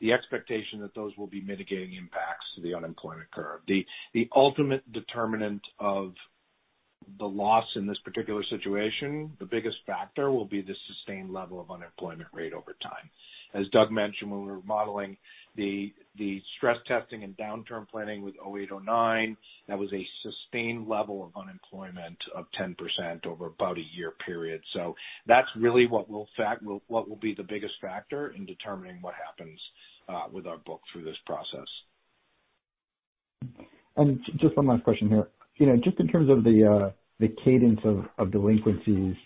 the expectation that those will be mitigating impacts to the unemployment curve. The ultimate determinant of the loss in this particular situation, the biggest factor, will be the sustained level of unemployment rate over time. As Doug mentioned, when we were modeling the stress testing and downturn planning with '08-'09, that was a sustained level of unemployment of 10% over about a year period. So that's really what will be the biggest factor in determining what happens with our book through this process. Just one last question here. Just in terms of the cadence of delinquencies,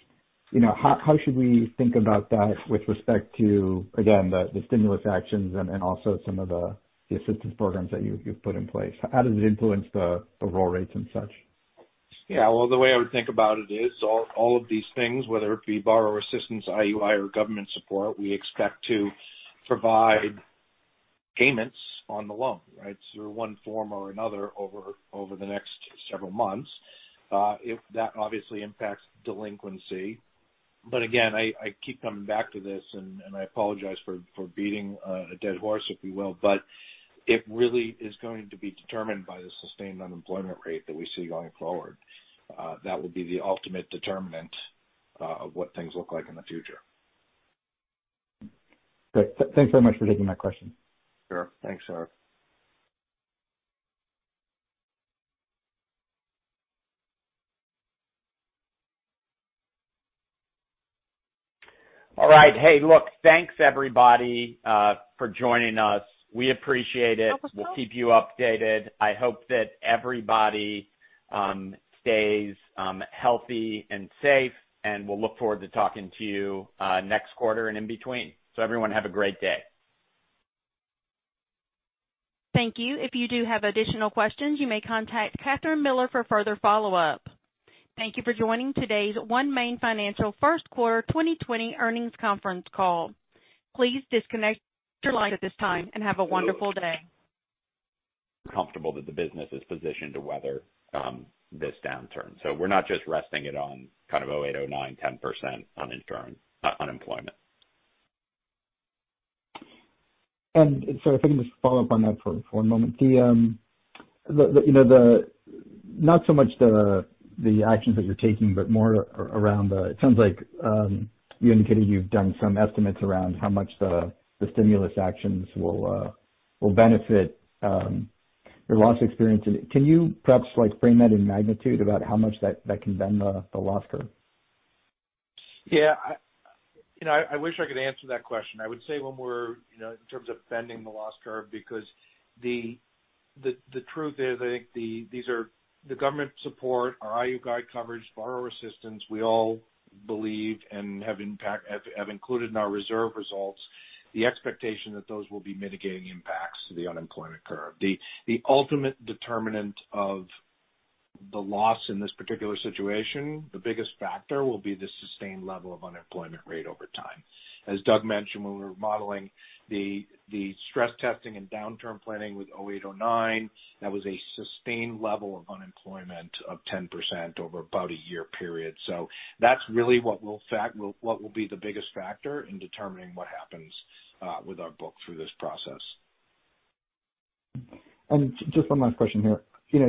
how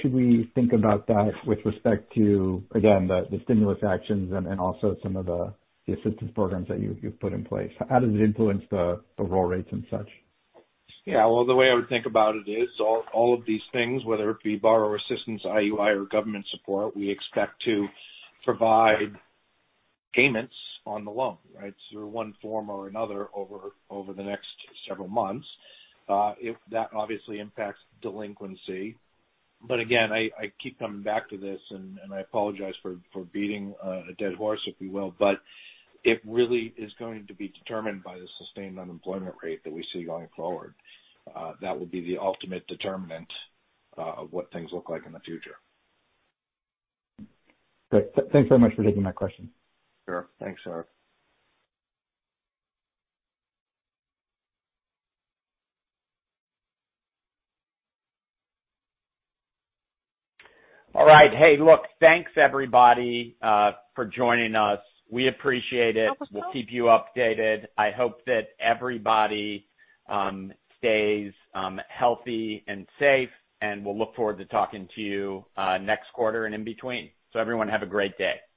should we think about that with respect to, again, the stimulus actions and also some of the assistance programs that you've put in place? How does it influence the roll rates and such? Yeah, well, the way I would think about it is all of these things, whether it be borrower assistance, IUI, or government support, we expect to provide payments on the loan, right, through one form or another over the next several months. That obviously impacts delinquency, but again, I keep coming back to this, and I apologize for beating a dead horse, if you will, but it really is going to be determined by the sustained unemployment rate that we see going forward. That will be the ultimate determinant of what things look like in the future. Thanks so much for taking my question. Sure. Thanks, Eric. All right. Hey, look, thanks, everybody, for joining us. We appreciate it. We'll keep you updated. I hope that everybody stays healthy and safe, and we'll look forward to talking to you next quarter and in between. So everyone, have a great day.